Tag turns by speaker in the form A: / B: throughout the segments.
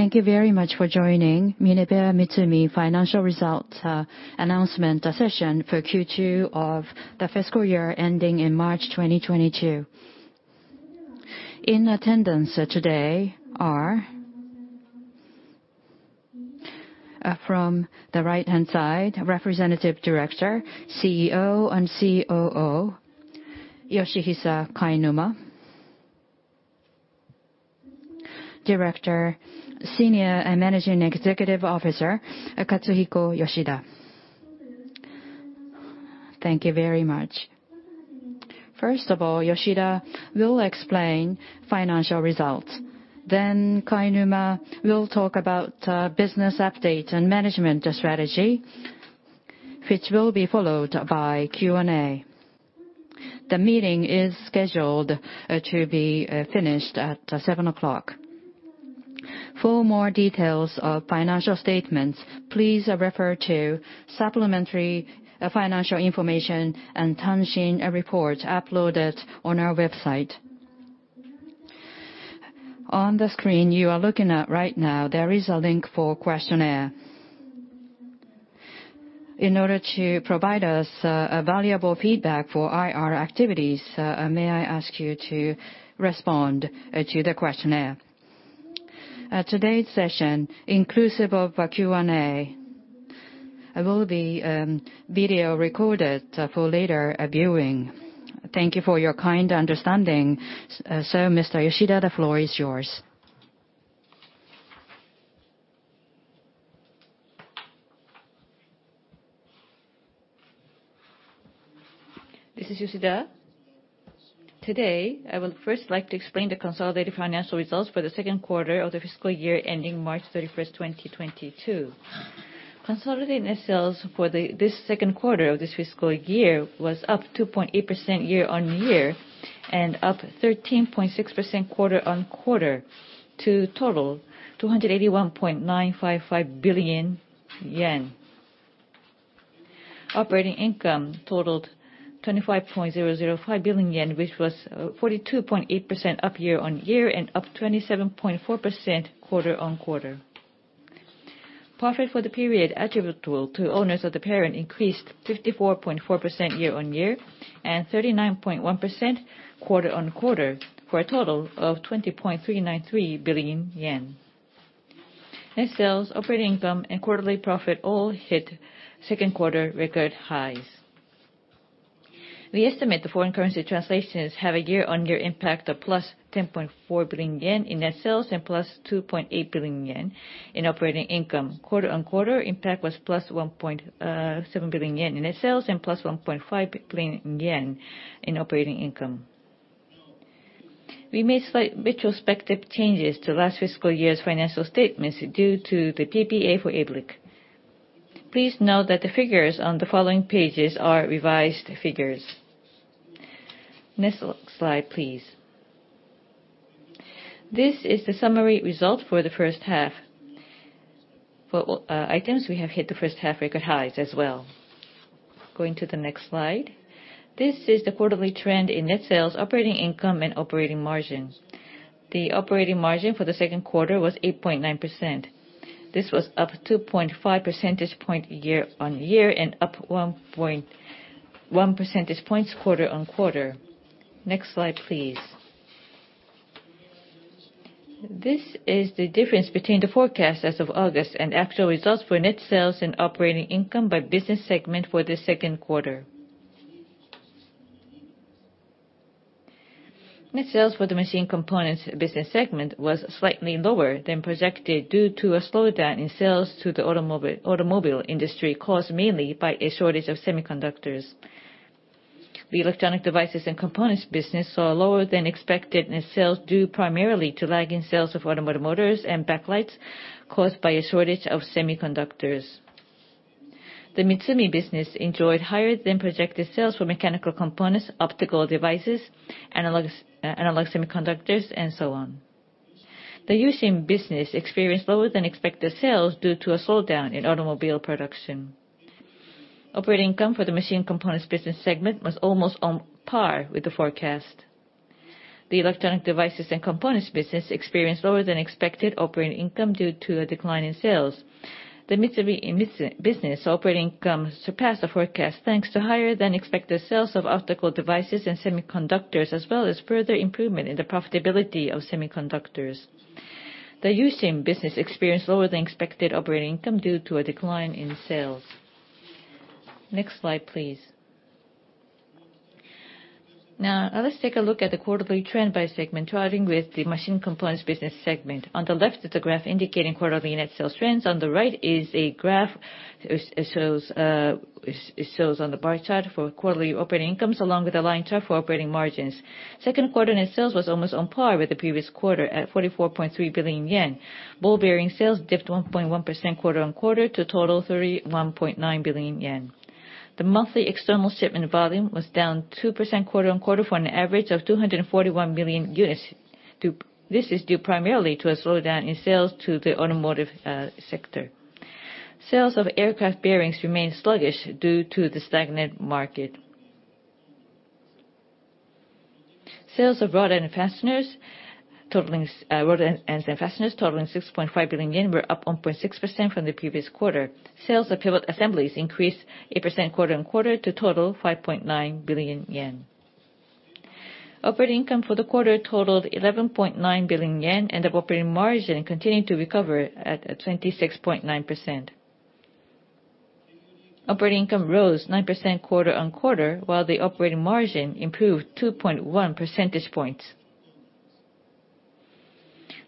A: Thank you very much for joining MinebeaMitsumi financial result announcement session for Q2 of the fiscal year ending in March 2022. In attendance today are, from the right-hand side, Representative Director, CEO, and COO, Yoshihisa Kainuma. Director, Senior Managing Executive Officer, Katsuhiko Yoshida. Thank you very much. First of all, Yoshida will explain financial results. Then Kainuma will talk about business update and management strategy, which will be followed by Q&A. The meeting is scheduled to be finished at seven o'clock. For more details of financial statements, please refer to supplementary financial information and Tanshin reports uploaded on our website. On the screen you are looking at right now, there is a link for questionnaire. In order to provide us a valuable feedback for IR activities, may I ask you to respond to the questionnaire. Today's session, inclusive of a Q&A, will be video-recorded for later viewing. Thank you for your kind understanding. Mr. Yoshida, the floor is yours.
B: This is Yoshida. Today, I would first like to explain the consolidated financial results for the second quarter of the fiscal year ending March 31, 2022. Consolidated net sales for this second quarter of this fiscal year was up 2.8% year-on-year and up 13.6% quarter-on-quarter to total 281.955 billion yen. Operating income totaled 25.005 billion yen, which was 42.8% up year-on-year and up 27.4% quarter-on-quarter. Profit for the period attributable to owners of the parent increased 54.4% year-on-year and 39.1% quarter-on-quarter, for a total of 20.393 billion yen. Net sales, operating income, and quarterly profit all hit second quarter record highs. We estimate the foreign currency translations have a year-on-year impact of +10.4 billion yen in net sales and +2.8 billion yen in operating income. Quarter-on-quarter impact was +1.7 billion yen in net sales and +1.5 billion yen in operating income. We made slight retrospective changes to last fiscal year's financial statements due to the PPA for ABLIC. Please note that the figures on the following pages are revised figures. Next slide, please. This is the summary result for the first half. For items, we have hit the first half record highs as well. Going to the next slide. This is the quarterly trend in net sales, operating income, and operating margins. The operating margin for the second quarter was 8.9%. This was up 2.5 percentage points year-on-year and up 1.1 percentage points quarter-on-quarter. Next slide, please. This is the difference between the forecast as of August and actual results for net sales and operating income by business segment for the second quarter. Net sales for the Machine Components business segment was slightly lower than projected due to a slowdown in sales to the automobile industry caused mainly by a shortage of semiconductors. The Electronic Devices and Components business saw lower than expected net sales due primarily to lagging sales of automotive motors and backlights caused by a shortage of semiconductors. The Mitsumi business enjoyed higher than projected sales for mechanical components, optical devices, analog semiconductors, and so on. The U-Shin business experienced lower than expected sales due to a slowdown in automobile production. Operating income for the machine components business segment was almost on par with the forecast. The electronic devices and components business experienced lower than expected operating income due to a decline in sales. The MITSUMI business operating income surpassed the forecast thanks to higher than expected sales of optical devices and semiconductors, as well as further improvement in the profitability of semiconductors. The U-Shin business experienced lower than expected operating income due to a decline in sales. Next slide, please. Now, let's take a look at the quarterly trend by segment, starting with the machine components business segment. On the left is a graph indicating quarterly net sales trends. On the right is a graph that shows on the bar chart for quarterly operating incomes along with a line chart for operating margins. Second quarter net sales was almost on par with the previous quarter at 44.3 billion yen. Ball bearing sales dipped 1.1% quarter-on-quarter to a total of 31.9 billion yen. The monthly external shipment volume was down 2% quarter-on-quarter for an average of 241 million units. This is due primarily to a slowdown in sales to the automotive sector. Sales of aircraft bearings remain sluggish due to the stagnant market. Sales of rod end and fasteners totaling 6.5 billion yen were up 1.6% from the previous quarter. Sales of pivot assemblies increased 8% quarter-on-quarter to total 5.9 billion yen. Operating income for the quarter totaled 11.9 billion yen, and the operating margin continued to recover at 26.9%. Operating income rose 9% quarter-on-quarter, while the operating margin improved 2.1 percentage points.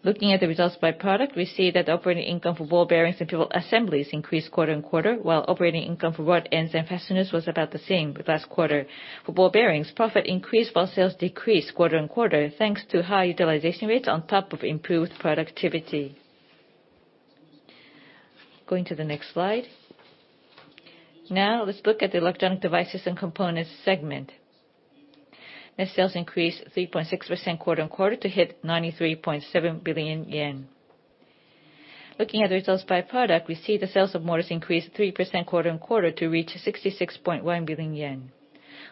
B: Looking at the results by product, we see that operating income for ball bearings and pivot assemblies increased quarter-on-quarter, while operating income for rod ends and fasteners was about the same with last quarter. For ball bearings, profit increased while sales decreased quarter-on-quarter, thanks to high utilization rates on top of improved productivity. Going to the next slide. Now let's look at the electronic devices and components segment. Net sales increased 3.6% quarter-on-quarter to hit 93.7 billion yen. Looking at the results by product, we see the sales of motors increased 3% quarter-on-quarter to reach 66.1 billion yen.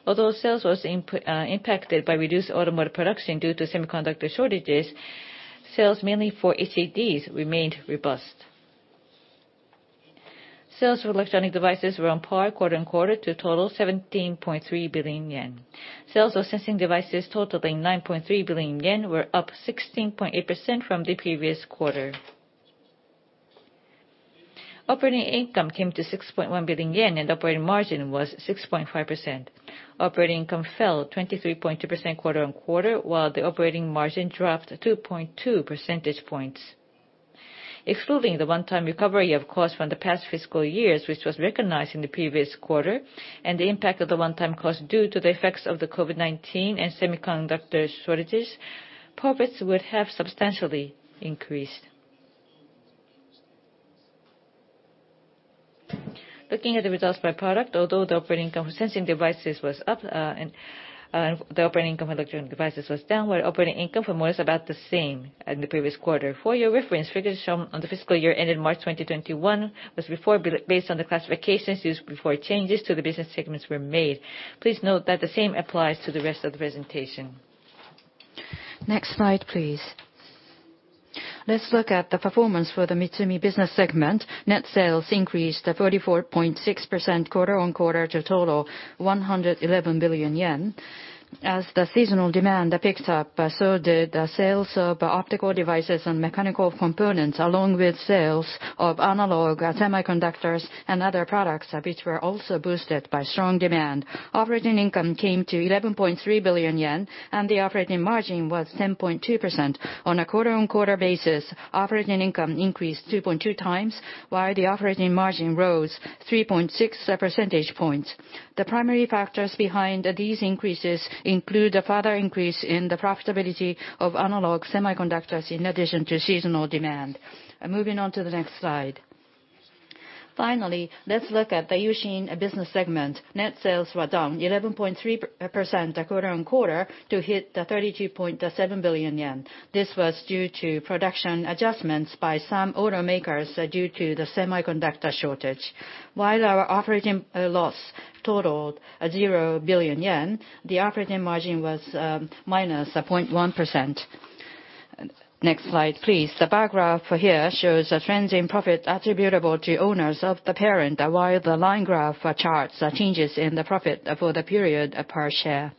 B: Although sales was impacted by reduced automotive production due to semiconductor shortages, sales mainly for HDDs remained robust. Sales for electronic devices were on par quarter-on-quarter to total 17.3 billion yen. Sales of sensing devices totaling 9.3 billion yen were up 16.8% from the previous quarter. Operating income came to 6.1 billion yen and operating margin was 6.5%. Operating income fell 23.2% quarter-on-quarter, while the operating margin dropped 2.2 percentage points. Excluding the one-time recovery of costs from the past fiscal years, which was recognized in the previous quarter, and the impact of the one-time cost due to the effects of the COVID-19 and semiconductor shortages, profits would have substantially increased. Looking at the results by product, although the operating income for sensing devices was up, and the operating income for electronic devices was down, while operating income for motors about the same in the previous quarter. For your reference, figures shown on the fiscal year ending March 2021 was based on the classifications used before changes to the business segments were made. Please note that the same applies to the rest of the presentation. Next slide, please. Let's look at the performance for the Mitsumi business segment. Net sales increased 44.6% quarter-on-quarter to total 111 billion yen. As the seasonal demand picked up, so did the sales of optical devices and mechanical components, along with sales of analog semiconductors and other products, which were also boosted by strong demand. Operating income came to 11.3 billion yen, and the operating margin was 10.2%. On a quarter-on-quarter basis, operating income increased 2.2x, while the operating margin rose 3.6 percentage points. The primary factors behind these increases include a further increase in the profitability of analog semiconductors in addition to seasonal demand. Moving on to the next slide. Finally, let's look at the U-Shin business segment. Net sales were down 11.3% quarter-on-quarter to 32.7 billion yen. This was due to production adjustments by some automakers due to the semiconductor shortage. While our operating loss totaled 0 billion yen, the operating margin was -0.1%. Next slide, please. The bar graph here shows the trends in profit attributable to owners of the parent, while the line graph charts changes in the profit for the period per share.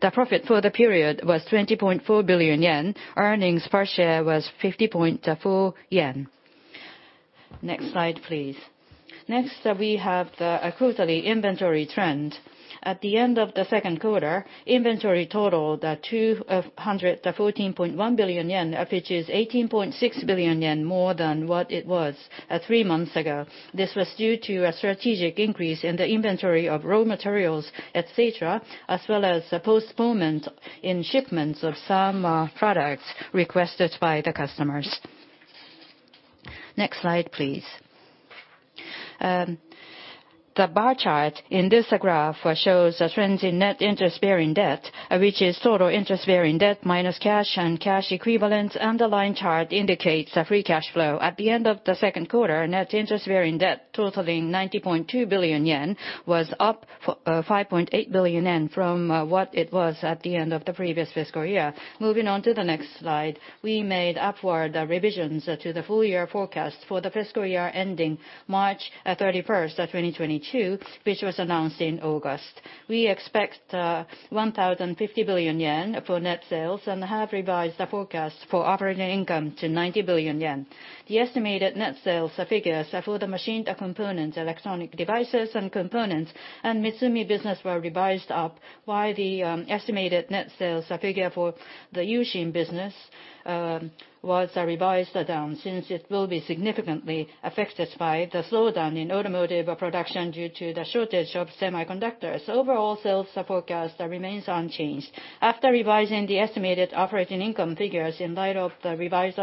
B: The profit for the period was 20.4 billion yen. Earnings per share was 50.4 yen. Next slide, please. Next, we have the quarterly inventory trend. At the end of the second quarter, inventory totaled 214.1 billion yen, which is 18.6 billion yen more than what it was three months ago. This was due to a strategic increase in the inventory of raw materials, et cetera, as well as a postponement in shipments of some products requested by the customers. Next slide, please. The bar chart in this graph shows the trends in net interest-bearing debt, which is total interest-bearing debt minus cash and cash equivalents. The line chart indicates the free cash flow. At the end of the second quarter, net interest-bearing debt totaling 90.2 billion yen was up 5.8 billion yen from what it was at the end of the previous fiscal year. Moving on to the next slide. We made upward revisions to the full year forecast for the fiscal year ending March 31, 2022, which was announced in August. We expect 1,050 billion yen for net sales and have revised the forecast for operating income to 90 billion yen. The estimated net sales figures for the machine components, electronic devices and components and Mitsumi business were revised up, while the estimated net sales figure for the U-Shin business was revised down since it will be significantly affected by the slowdown in automotive production due to the shortage of semiconductors. Overall sales forecast remains unchanged. After revising the estimated operating income figures in light of the revised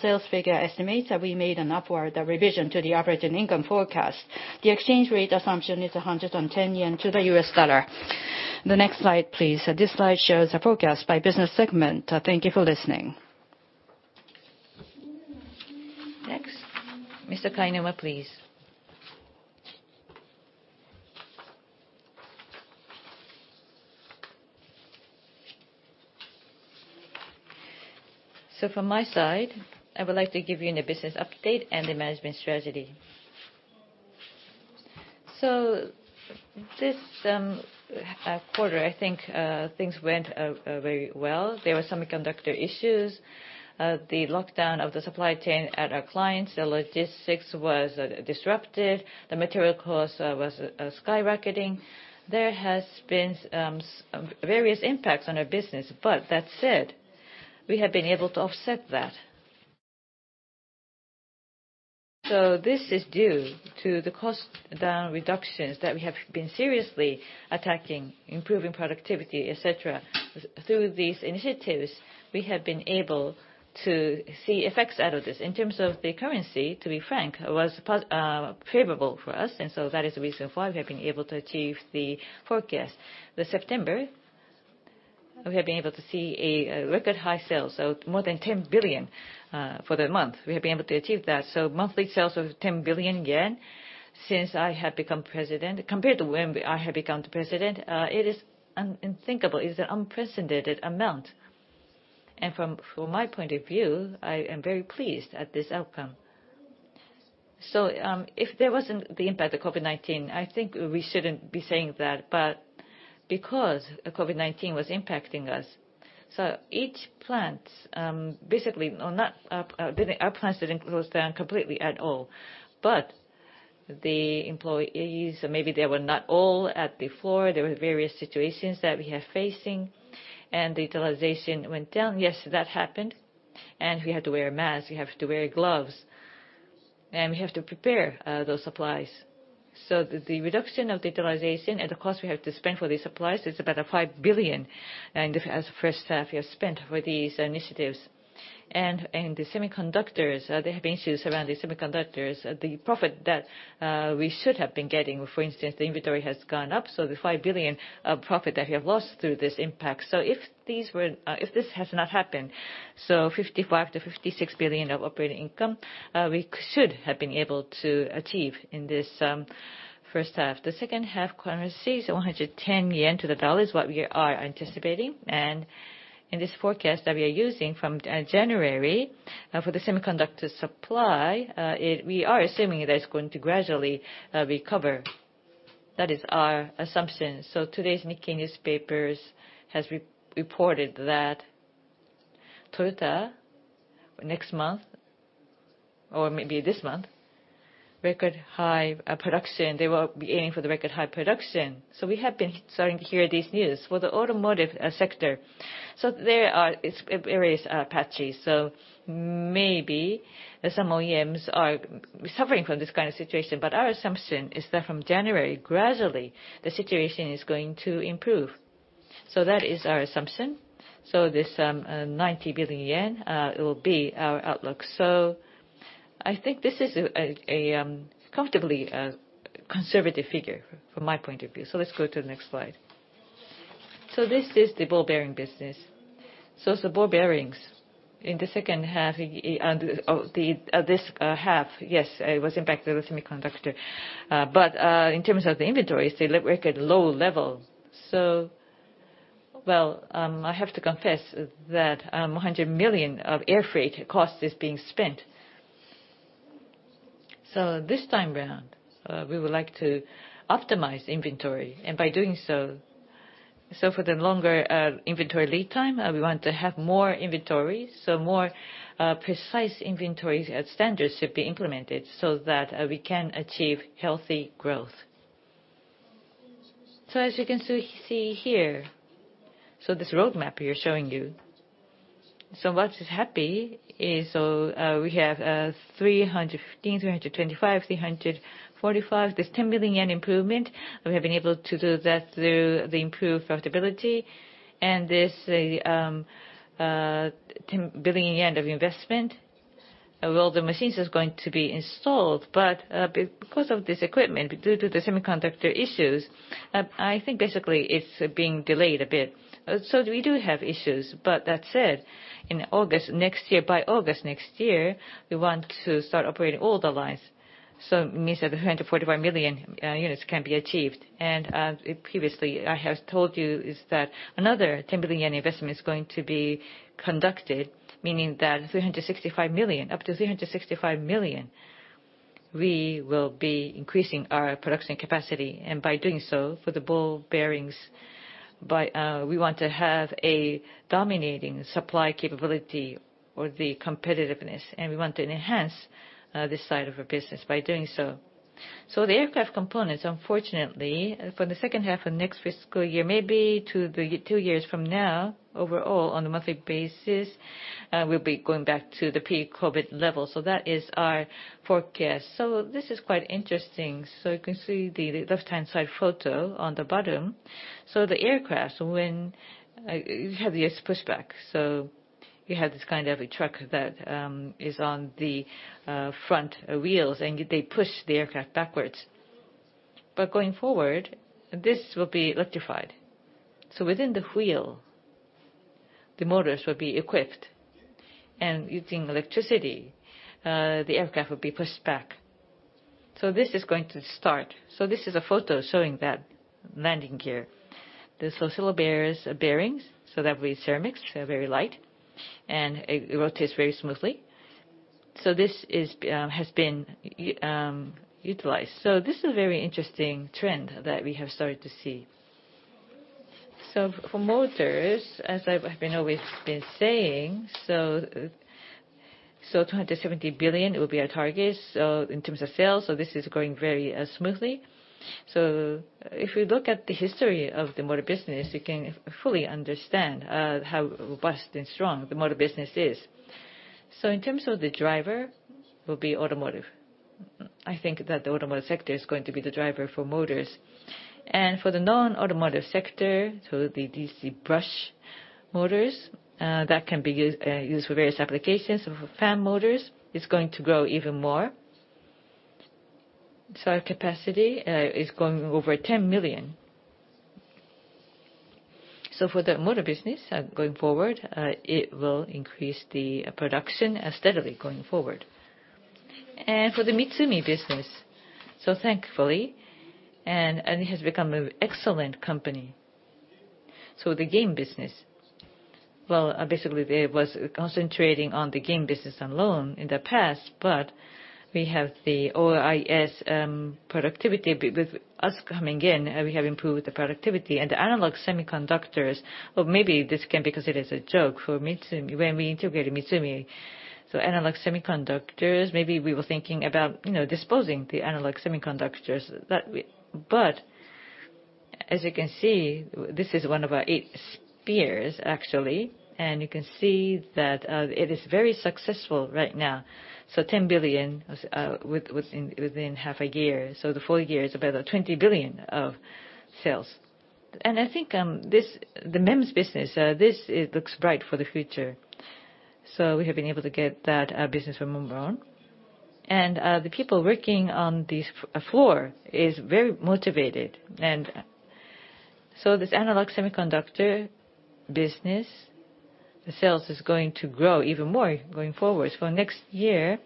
B: sales figure estimates, we made an upward revision to the operating income forecast. The exchange rate assumption is 110 yen to the US dollar. The next slide, please. This slide shows a forecast by business segment. Thank you for listening. Next, Mr. Kainuma, please.
C: From my side, I would like to give you the business update and the management strategy. This quarter, I think, things went very well. There were semiconductor issues. The lockdown of the supply chain at our clients, the logistics was disrupted. The material cost was skyrocketing. There has been various impacts on our business, but that said, we have been able to offset that. This is due to the cost down reductions that we have been seriously attacking, improving productivity, et cetera. Through these initiatives, we have been able to see effects out of this. In terms of the currency, to be frank, it was favorable for us, and so that is the reason why we have been able to achieve the forecast. In September, we have been able to see a record high sales, so more than 10 billion for the month. We have been able to achieve that. Monthly sales of 10 billion yen since I have become president. Compared to when I have become the president, it is unthinkable. It is an unprecedented amount. From my point of view, I am very pleased at this outcome. If there wasn't the impact of COVID-19, I think we shouldn't be saying that. Because COVID-19 was impacting us, each plant, basically. Well, our plants didn't close down completely at all. The employees, maybe they were not all on the floor. There were various situations that we are facing, and the utilization went down. Yes, that happened. We had to wear a mask, we have to wear gloves, and we have to prepare those supplies. The reduction of the utilization and the cost we have to spend for the supplies is about 5 billion. In the first half, we have spent for these initiatives. The semiconductors, there have been issues around the semiconductors. The profit that we should have been getting, for instance, the inventory has gone up, so the JPY 5 billion of profit that we have lost through this impact. If these were, if this has not happened, 55 billion-56 billion of operating income we should have been able to achieve in this first half. The second half currencies, 110 yen to the dollar is what we are anticipating. In this forecast that we are using from January for the semiconductor supply, we are assuming that it's going to gradually recover. That is our assumption. Today's Nikkei newspaper has re-reported that Toyota next month, or maybe this month, record high production. They will be aiming for the record high production. We have been starting to hear this news. For the automotive sector, there are areas that are patchy. Maybe some OEMs are suffering from this kind of situation. Our assumption is that from January, gradually the situation is going to improve. That is our assumption. This 90 billion yen will be our outlook. I think this is a comfortably conservative figure from my point of view. Let's go to the next slide. This is the ball bearing business. The ball bearings in the second half and this half, yes, it was impacted with semiconductor. But in terms of the inventories, they look like at low level. Well, I have to confess that 100 million of air freight cost is being spent. This time around, we would like to optimize inventory, and by doing so, for the longer inventory lead time, we want to have more inventory. More precise inventories and standards should be implemented so that we can achieve healthy growth. As you can see here, this roadmap we are showing you. What is happy is, we have 315, 325, 345. There's 10 billion yen improvement. We have been able to do that through the improved profitability. There's a 10 billion yen of investment. Well, the machines is going to be installed, but because of this equipment, due to the semiconductor issues, I think basically it's being delayed a bit. We do have issues. That said, in August next year, by August next year, we want to start operating all the lines. It means that the 345 million units can be achieved. Previously I have told you is that another 10 billion yen investment is going to be conducted, meaning that 365 million, up to 365 million, we will be increasing our production capacity. By doing so, for the ball bearings, we want to have a dominating supply capability or the competitiveness, and we want to enhance this side of our business by doing so. The aircraft components, unfortunately, for the second half of next fiscal year, maybe two years from now, overall on a monthly basis, we'll be going back to the pre-COVID-19 level. That is our forecast. This is quite interesting. You can see the left-hand side photo on the bottom. The aircraft, when you have your pushback. You have this kind of a truck that is on the front wheels, and they push the aircraft backwards. Going forward, this will be electrified. Within the wheels, the motors will be equipped, and using electricity, the aircraft will be pushed back. This is going to start. This is a photo showing that landing gear. These oscillating bearings, so that way ceramics are very light and it rotates very smoothly. This has been utilized. This is a very interesting trend that we have started to see. For motors, as I've always been saying, 270 billion will be our target in terms of sales. This is going very smoothly. If we look at the history of the motor business, you can fully understand how robust and strong the motor business is. In terms of the driver, will be automotive. I think that the automotive sector is going to be the driver for motors. For the non-automotive sector, the DC brush motors that can be used for various applications. For fan motors, it's going to grow even more. Our capacity is going over 10 million. For the motor business, going forward, it will increase the production steadily going forward. For the Mitsumi business, thankfully, it has become an excellent company. The game business, well, basically, they was concentrating on the game business alone in the past, but we have the OIS productivity. With us coming in, we have improved the productivity. The analog semiconductors, well, maybe this can be considered as a joke for Mitsumi. When we integrated Mitsumi, analog semiconductors, maybe we were thinking about, you know, disposing the analog semiconductors that we... As you can see, this is one of our Eight Spears actually, and you can see that, it is very successful right now. Ten billion within half a year. The full year is about 20 billion of sales. I think, the MEMS business, it looks bright for the future. We have been able to get that business from Omron. The people working on this floor is very motivated. This analog semiconductor business, the sales is going to grow even more going forward. For next year,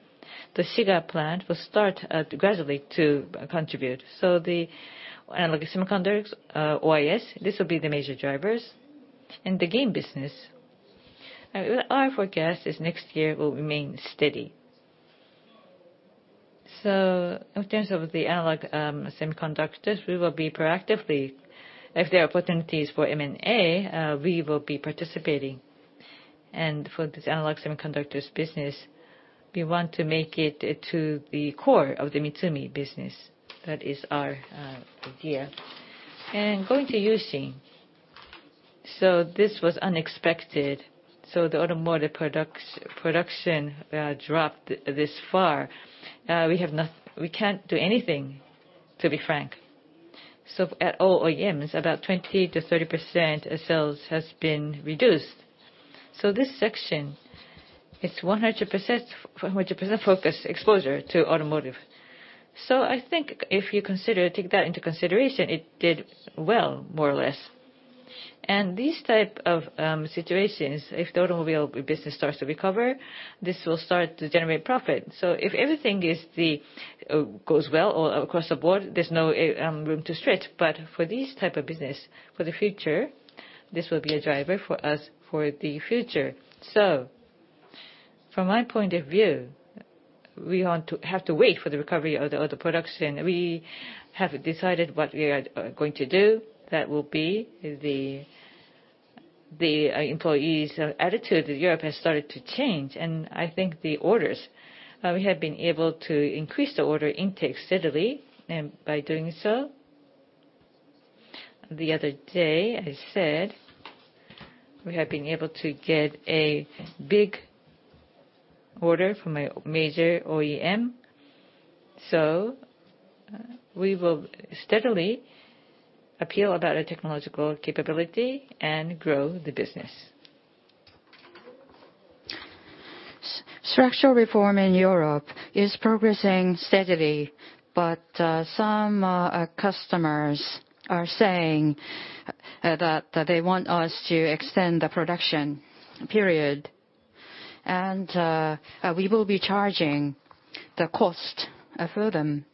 C: the Shiga plant will start gradually to contribute. The analog semiconductors, OIS, this will be the major drivers. The game business, our forecast is next year will remain steady. In terms of the analog semiconductors, we will be proactively if there are opportunities for M&A, we will be participating. For this analog semiconductors business, we want to make it into the core of the Mitsumi business. That is our idea. Going to U-Shin. This was unexpected. The automotive production dropped this far. We can't do anything, to be frank. At all OEMs, about 20%-30% of sales has been reduced. This section is 100% focused exposure to automotive. I think if you consider, take that into consideration, it did well, more or less. These type of situations, if the automobile business starts to recover, this will start to generate profit. If everything goes well all across the board, there's no room to stretch. For these type of business, for the future, this will be a driver for us for the future. From my point of view, we want to have to wait for the recovery of the auto production. We have decided what we are going to do. That will be the employees' attitude in Europe has started to change, and I think the orders we have been able to increase the order intake steadily. By doing so, the other day, I said we have been able to get a big order from a major OEM. We will steadily appeal about our technological capability and grow the business. Structural reform in Europe is progressing steadily, but some customers are saying that they want us to extend the production period, and we will be charging the cost for them.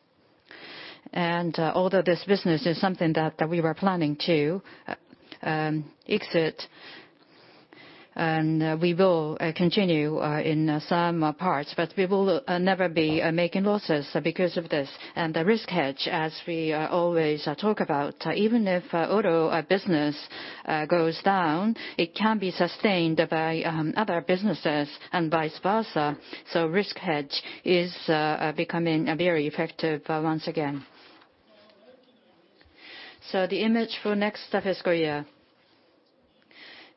C: Although this business is something that we were planning to exit, and we will continue in some parts, but we will never be making losses because of this. The risk hedge, as we always talk about, even if auto business goes down, it can be sustained by other businesses and vice versa. Risk hedge is becoming very effective once again. The image for next fiscal year,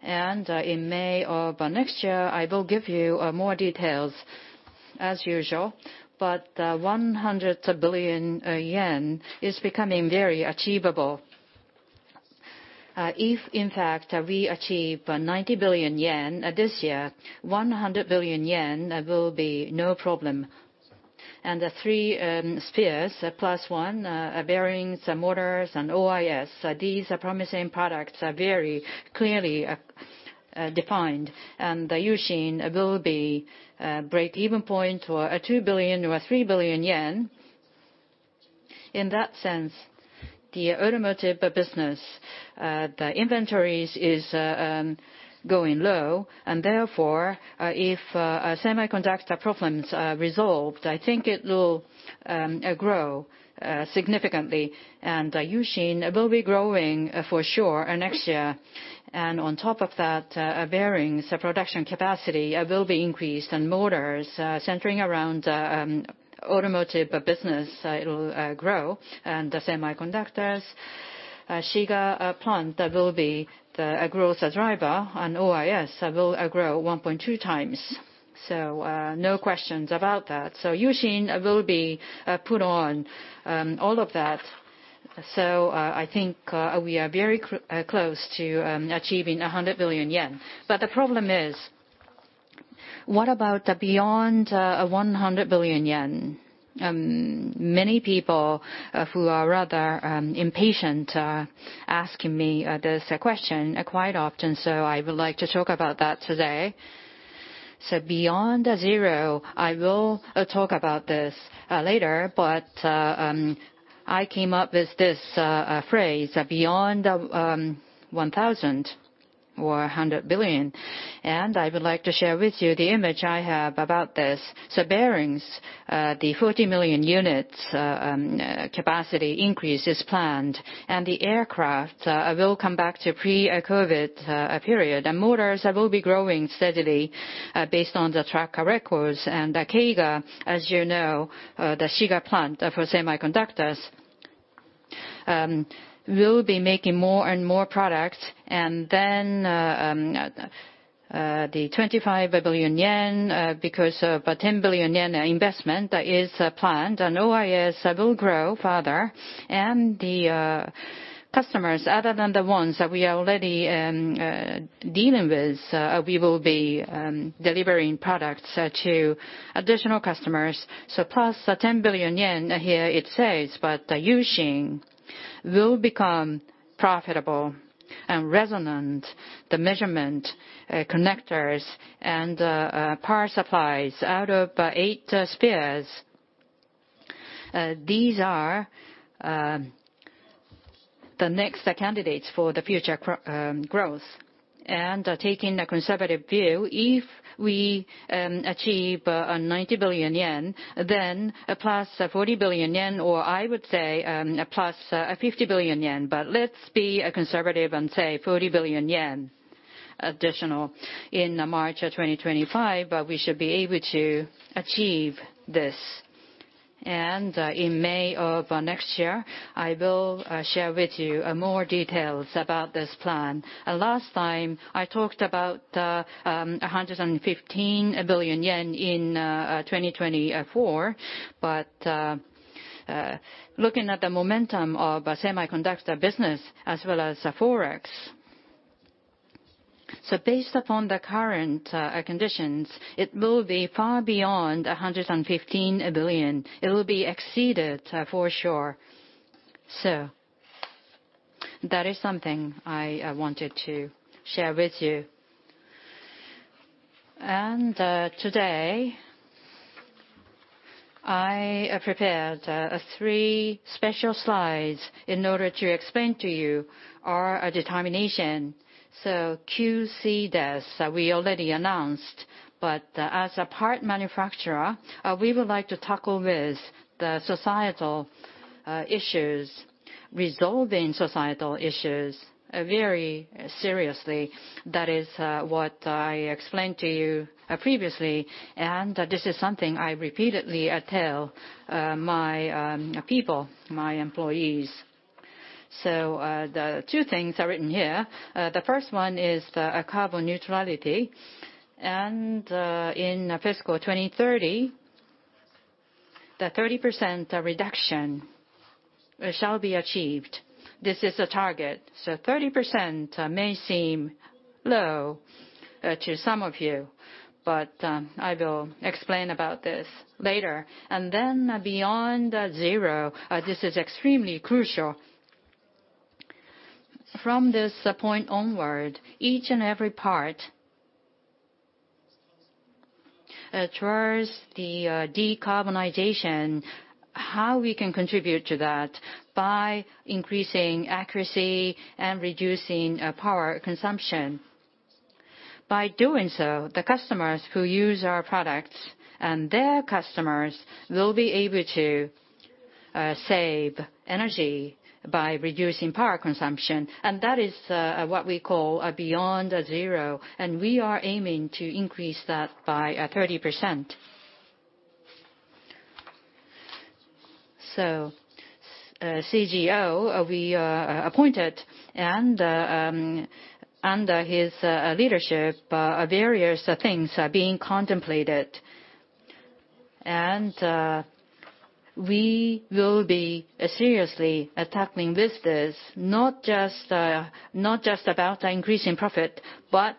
C: and in May of next year, I will give you more details as usual. 100 billion yen is becoming very achievable. If in fact we achieve 90 billion yen this year, 100 billion yen will be no problem. The three spears plus one, bearings, and motors, and OIS, these are promising products are very clearly defined. The U-Shin will be break-even point or 2 billion or 3 billion yen. In that sense, the automotive business, the inventories is going low. Therefore, if semiconductor problems are resolved, I think it will grow significantly. U-Shin will be growing for sure next year. On top of that, bearings production capacity will be increased, and motors, centering around automotive business, it'll grow. The semiconductors, Shiga plant will be the growth driver, and OIS will grow 1.2x. No questions about that. U-Shin will be put on all of that. I think we are very close to achieving 100 billion yen. The problem is, what about beyond 100 billion yen? Many people who are rather impatient are asking me this question quite often. I would like to talk about that today. Beyond zero, I will talk about this later. I came up with this phrase, beyond 1,000 or 100 billion. I would like to share with you the image I have about this. Bearings, the 40 million units capacity increase is planned, and the aircraft will come back to pre-COVID-19 period. Motors will be growing steadily based on the track records. Kainuma, as you know, the Shiga plant for semiconductors will be making more and more products. Then, the 25 billion yen, because of a 10 billion yen investment that is planned, and OIS will grow further. The customers other than the ones that we are already dealing with, we will be delivering products to additional customers. Plus the 10 billion yen here, it says, but U-Shin will become profitable and resilient. Sensing devices, connectors and power supplies out of Eight Spears, these are the next candidates for the future growth. Taking a conservative view, if we achieve 90 billion yen, then plus 40 billion yen, or I would say, plus 50 billion yen. Let's be conservative and say 40 billion yen additional in March 2025, but we should be able to achieve this. In May of next year, I will share with you more details about this plan. Last time, I talked about 115 billion yen in 2024, but looking at the momentum of semiconductor business as well as Forex. Based upon the current conditions, it will be far beyond 115 billion. It will be exceeded for sure. That is something I wanted to share with you. Today, I prepared three special slides in order to explain to you our determination. QCDES, we already announced, but as a part manufacturer, we would like to tackle with the societal issues, resolving societal issues very seriously. That is what I explained to you previously, and this is something I repeatedly tell my people, my employees. The two things are written here. The first one is the carbon neutrality, and in fiscal 2030, the 30% reduction shall be achieved. This is a target. 30% may seem low to some of you, but I will explain about this later. Beyond Zero, this is extremely crucial. From this point onward, each and every part towards the decarbonization, how we can contribute to that by increasing accuracy and reducing power consumption. By doing so, the customers who use our products and their customers will be able to save energy by reducing power consumption. That is what we call Beyond Zero, and we are aiming to increase that by 30%. We appointed a CGO and under his leadership, various things are being contemplated. We will be seriously tackling this. Not just about increasing profit, but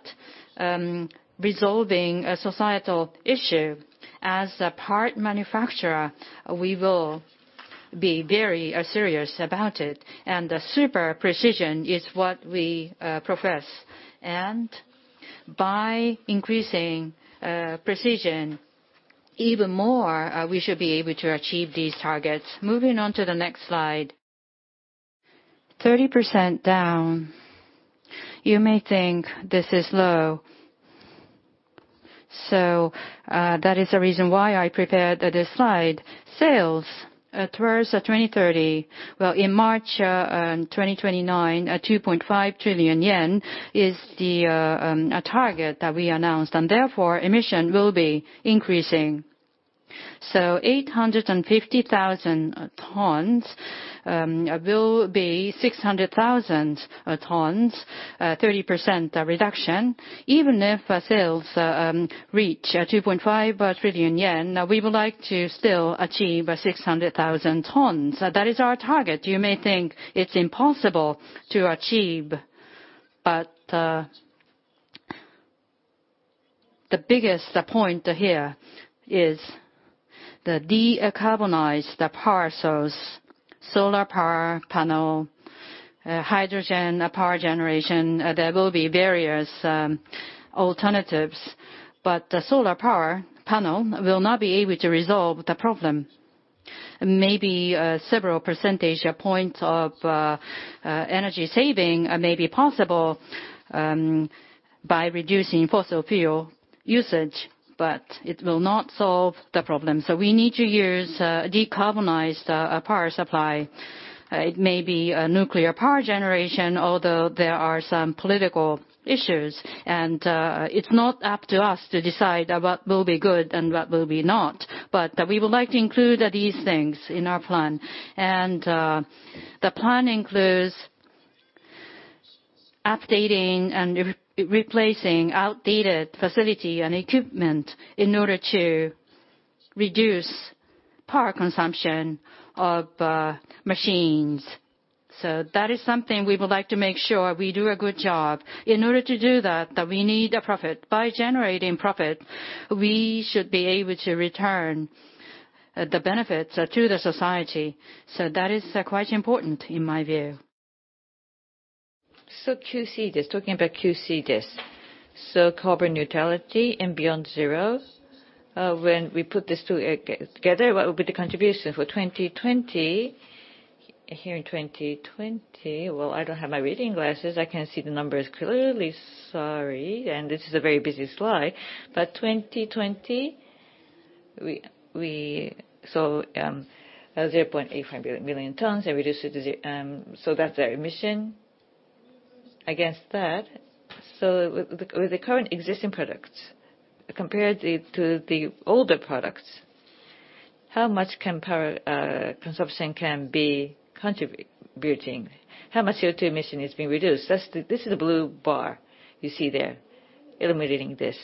C: resolving a societal issue. As a part manufacturer, we will be very serious about it. Super precision is what we profess. By increasing precision even more, we should be able to achieve these targets. Moving on to the next slide. 30% down, you may think this is low. That is the reason why I prepared this slide. Sales towards 2030. Well, in March 2029, 2.5 trillion yen is the target that we announced, and therefore, emissions will be increasing. 850,000 tons will be 600,000 tons, 30% reduction. Even if sales reach 2.5 trillion yen, we would like to still achieve 600,000 tons. That is our target. You may think it's impossible to achieve, but the biggest point here is to decarbonize the power source, solar power panel, hydrogen power generation. There will be various alternatives. The solar power panel will not be able to resolve the problem. Maybe several percentage points of energy saving may be possible by reducing fossil fuel usage, but it will not solve the problem. We need to use a decarbonized power supply. It may be a nuclear power generation, although there are some political issues. It's not up to us to decide what will be good and what will not be. We would like to include these things in our plan. The plan includes updating and replacing outdated facility and equipment in order to reduce power consumption of machines. That is something we would like to make sure we do a good job. In order to do that, we need a profit. By generating profit, we should be able to return the benefits to the society. That is quite important in my view. QCDS. Talking about QCDS. Carbon neutrality and Beyond Zero. When we put these two together, what will be the contribution? For 2020, here in 2020. Well, I don't have my reading glasses. I can't see the numbers clearly. Sorry. This is a very busy slide. But 2020, we. 0.85 million tons, we reduce it to the. That's our emission against that. With the current existing products, compared to the older products, how much can power consumption contribute? How much CO2 emission is being reduced? This is the blue bar you see there, eliminating this.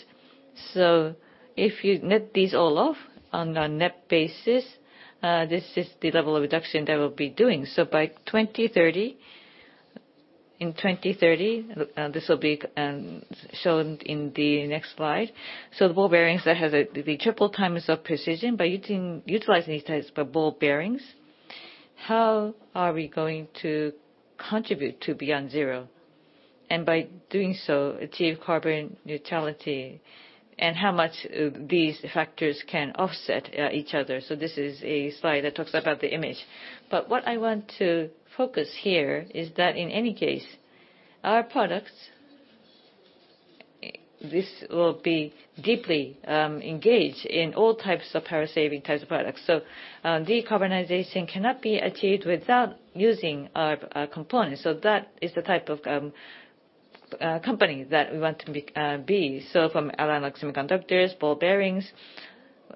C: If you net these all off on a net basis, this is the level of reduction that we'll be doing. By 2030, in 2030, this will be shown in the next slide. The ball bearings that have the three times the precision. By utilizing these types of ball bearings, how are we going to contribute to Beyond Zero, and by doing so, achieve carbon neutrality? How much these factors can offset each other. This is a slide that talks about the image. What I want to focus here is that in any case, our products, this will be deeply engaged in all types of power-saving types of products. Decarbonization cannot be achieved without using our components. That is the type of company that we want to be. From analog semiconductors, ball bearings,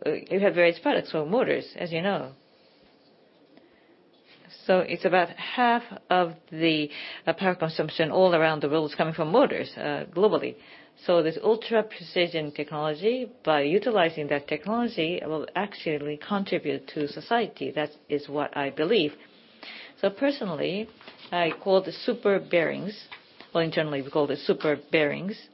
C: you have various products. Motors, as you know. It's about half of the power consumption all around the world is coming from motors, globally. This ultra-precision technology, by utilizing that technology, it will actually contribute to society. That is what I believe. Personally, I call the super bearings, or internally, we call the super bearings.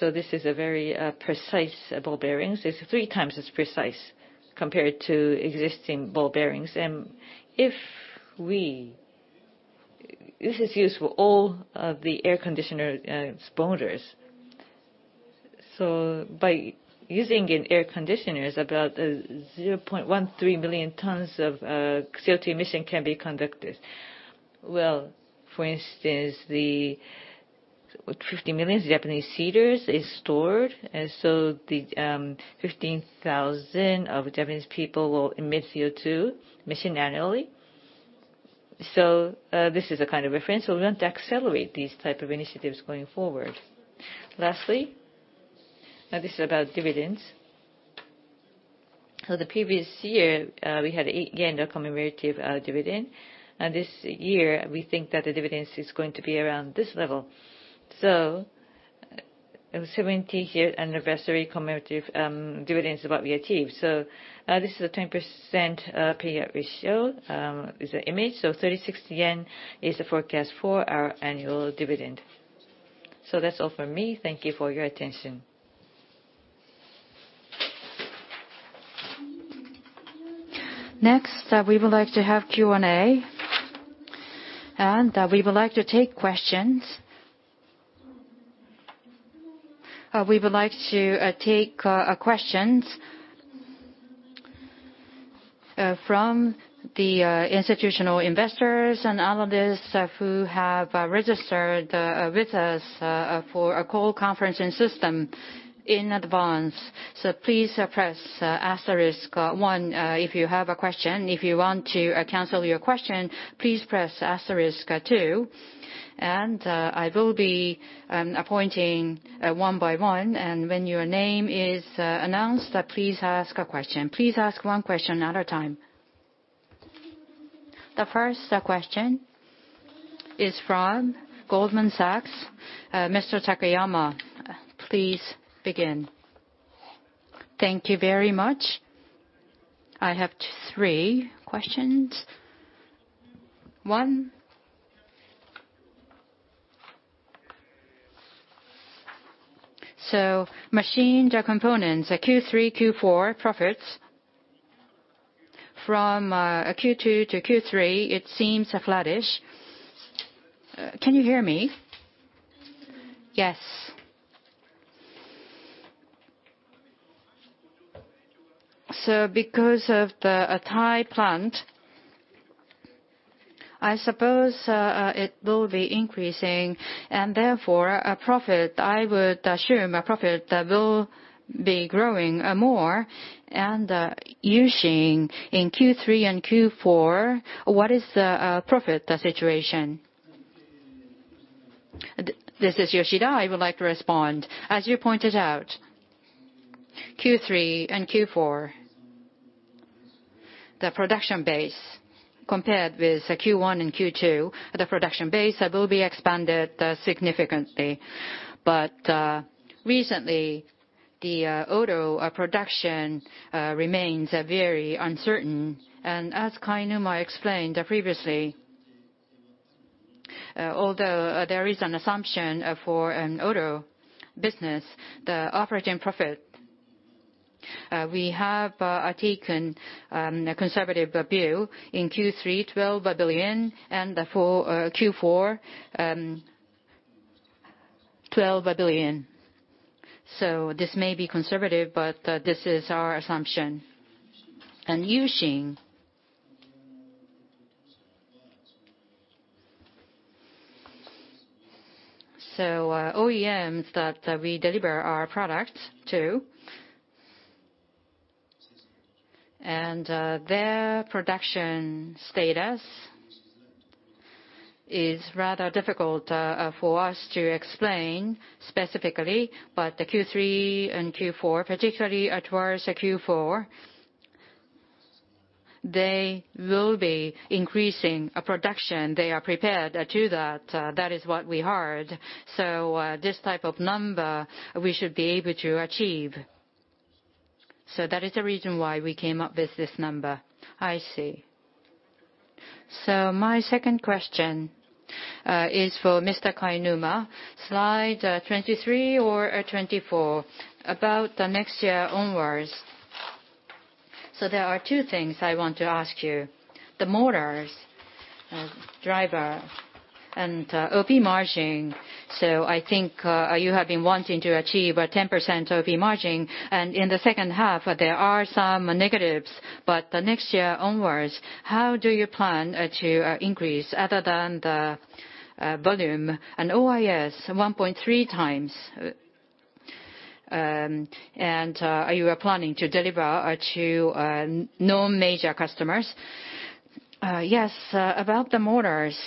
C: This is a very precise ball bearings. It's three times as precise compared to existing ball bearings. This is used for all of the air conditioners' borders. By using in air conditioners, about 0.13 million tons of CO2 emission can be reduced. Well, for instance, the 50 million Japanese cedars is stored. The 15,000 Japanese people will emit CO2 emission annually. This is a kind of reference. We want to accelerate these type of initiatives going forward. Lastly, this is about dividends. The previous year, we had 8 yen commemorative dividend. This year, we think that the dividends is going to be around this level. 70-year anniversary commemorative dividend is what we achieved. This is a 10% payout ratio is the image. 36 yen is the forecast for our annual dividend. That's all for me.
A: Thank you for your attention. Next, we would like to have Q&A and take questions from the institutional investors and analysts who have registered with us for a call conferencing system in advance. Please press asterisk one if you have a question. If you want to cancel your question, please press asterisk two. I will be appointing one by one, and when your name is announced, please ask a question. Please ask one question at a time. The first question is from Goldman Sachs. Mr. Takayama, please begin.
D: Thank you very much. I have three questions. One. Machines or components, Q3, Q4 profits from Q2 to Q3, it seems flattish. Can you hear me?
B: Yes.
D: Because of the Thai plant, I suppose, it will be increasing and therefore a profit. I would assume a profit will be growing more. In Q3 and Q4, what is the profit situation?
B: This is Yoshida. I would like to respond. As you pointed out, Q3 and Q4, the production base compared with Q1 and Q2, the production base will be expanded significantly. Recently, the auto production remains very uncertain. As Kainuma explained previously, although there is an assumption for an auto business, the operating profit, we have taken a conservative view in Q3, 12 billion, and for Q4, 12 billion. This may be conservative, but this is our assumption. And U-Shin. OEMs that we deliver our products to, and, their production status is rather difficult, for us to explain specifically. Q3 and Q4, particularly towards Q4, they will be increasing production. They are prepared to that. That is what we heard. This type of number we should be able to achieve. That is the reason why we came up with this number.
D: I see. My second question is for Mr. Kainuma, slide 23 or 24, about next year onwards. There are two things I want to ask you. The motors, driver and OP margin. I think you have been wanting to achieve a 10% OP margin. In the second half, there are some negatives, but the next year onwards, how do you plan to increase other than the volume and OIS 1.3x? And are you planning to deliver to known major customers?
C: Yes. About the motors,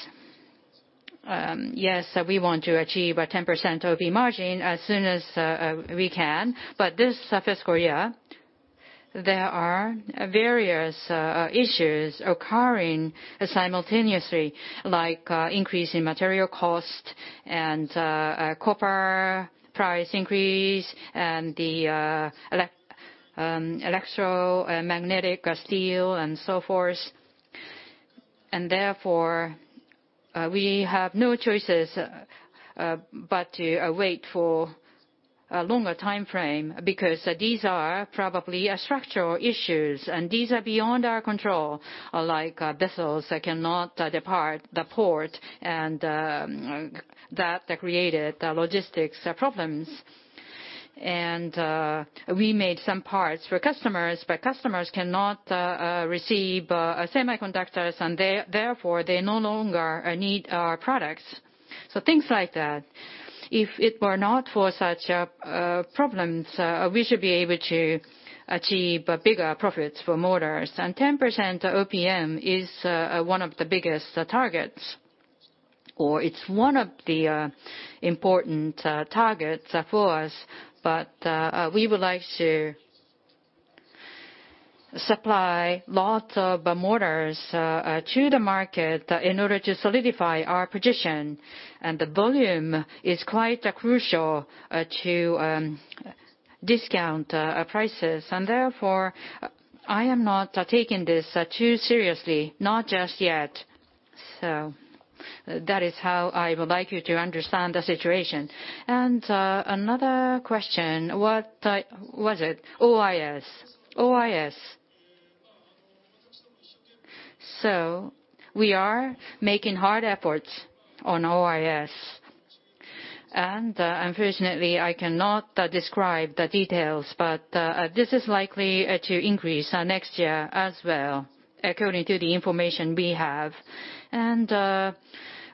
C: yes, we want to achieve a 10% OP margin as soon as we can. This fiscal year, there are various issues occurring simultaneously, like increase in material cost and copper price increase and the electromagnetic steel and so forth. Therefore, we have no choices but to wait for a longer timeframe, because these are probably structural issues, and these are beyond our control. Like vessels that cannot depart the port and that created logistics problems. We made some parts for customers, but customers cannot receive semiconductors, and they therefore no longer need our products. Things like that. If it were not for such problems, we should be able to achieve bigger profits for motors. 10% OPM is one of the biggest targets, or it's one of the important targets for us. We would like to supply lots of motors to the market in order to solidify our position, and the volume is quite crucial to discount prices. Therefore, I am not taking this too seriously, not just yet. That is how I would like you to understand the situation. Another question, what was it?
D: OIS.
B: OIS.
C: We are making hard efforts on OIS, and unfortunately, I cannot describe the details, but this is likely to increase next year as well, according to the information we have.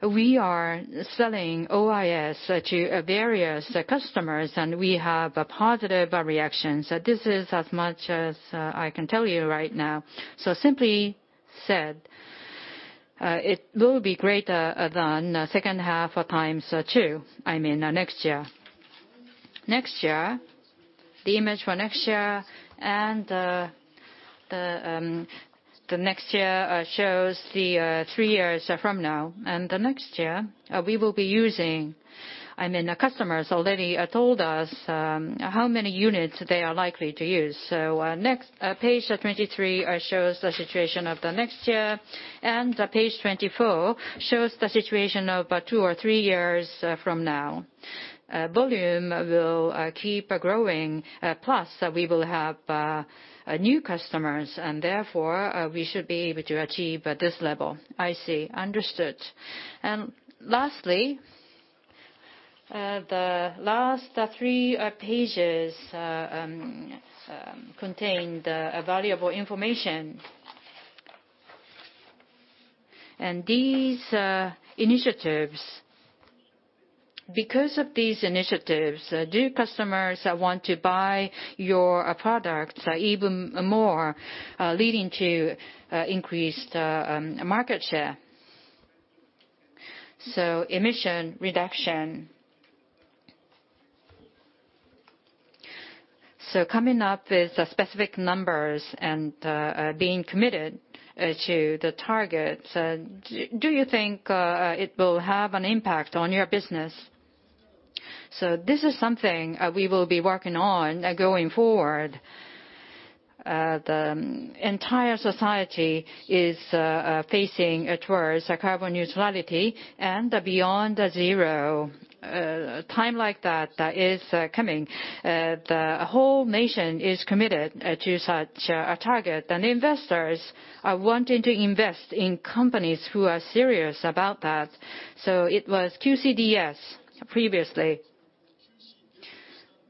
C: We are selling OIS to various customers, and we have positive reactions. This is as much as I can tell you right now. Simply said, it will be greater than second half times two, I mean, next year. Next year, the image for next year and the next year shows the three years from now. The next year, the customers already told us how many units they are likely to use. Page 23 shows the situation of the next year, and page 24 shows the situation of two or three years from now. Volume will keep growing, plus we will have new customers, and therefore, we should be able to achieve this level.
D: I see. Understood. Lastly, the last three pages contain the valuable information. These initiatives, because of these initiatives, do customers want to buy your products even more, leading to increased market share? Emission reduction. Coming up with specific numbers and being committed to the targets, do you think it will have an impact on your business?
C: This is something we will be working on going forward. The entire society is facing towards carbon neutrality and Beyond Zero. A time like that is coming. The whole nation is committed to such a target, and investors are wanting to invest in companies who are serious about that. It was QCDS previously,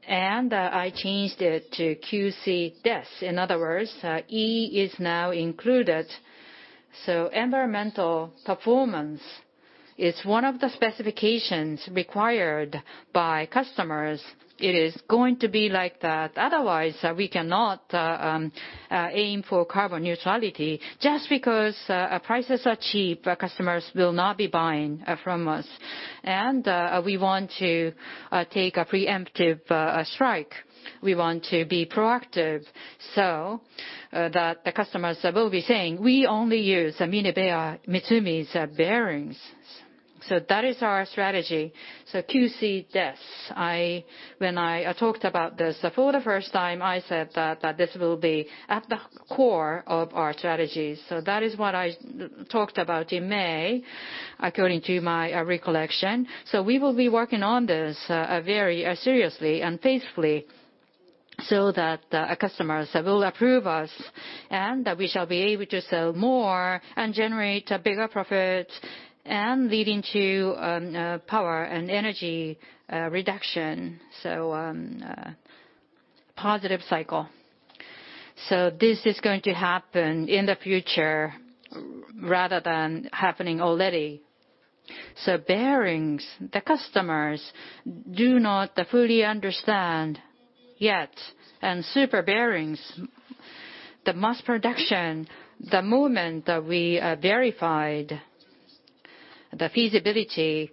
C: and I changed it to QCDES. In other words, E is now included. Environmental performance is one of the specifications required by customers. It is going to be like that. Otherwise, we cannot aim for carbon neutrality. Just because prices are cheap, customers will not be buying from us, and we want to take a preemptive strike. We want to be proactive so that the customers will be saying, "We only use MinebeaMitsumi's bearings." That is our strategy. QCDES. When I talked about this for the first time, I said that this will be at the core of our strategy. That is what I talked about in May, according to my recollection. We will be working on this very seriously and faithfully so that customers will approve us, and we shall be able to sell more and generate bigger profits and leading to power and energy reduction. Positive cycle. This is going to happen in the future rather than happening already. Bearings, the customers do not fully understand yet, and super bearings, the mass production, the moment that we verified the feasibility,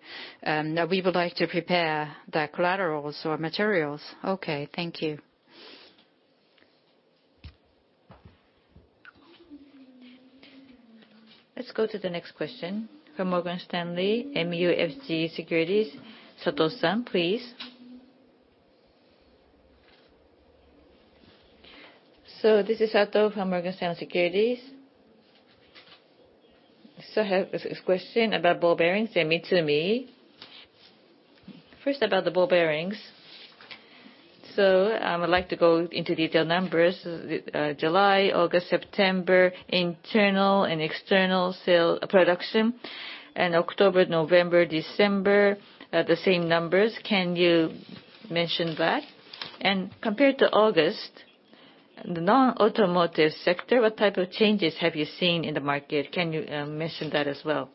C: we would like to prepare the collaterals or materials.
D: Okay, thank you.
C: Let's go to the next question from Morgan Stanley MUFG Securities, Sato-san, please.
E: This is Sato from Morgan Stanley Securities. I have a question about ball bearings at Mitsumi. First, about the ball bearings. I would like to go into detailed numbers. July, August, September, internal and external sales production, and October, November, December, the same numbers. Can you mention that? Compared to August, the non-automotive sector, what type of changes have you seen in the market? Can you mention that as well?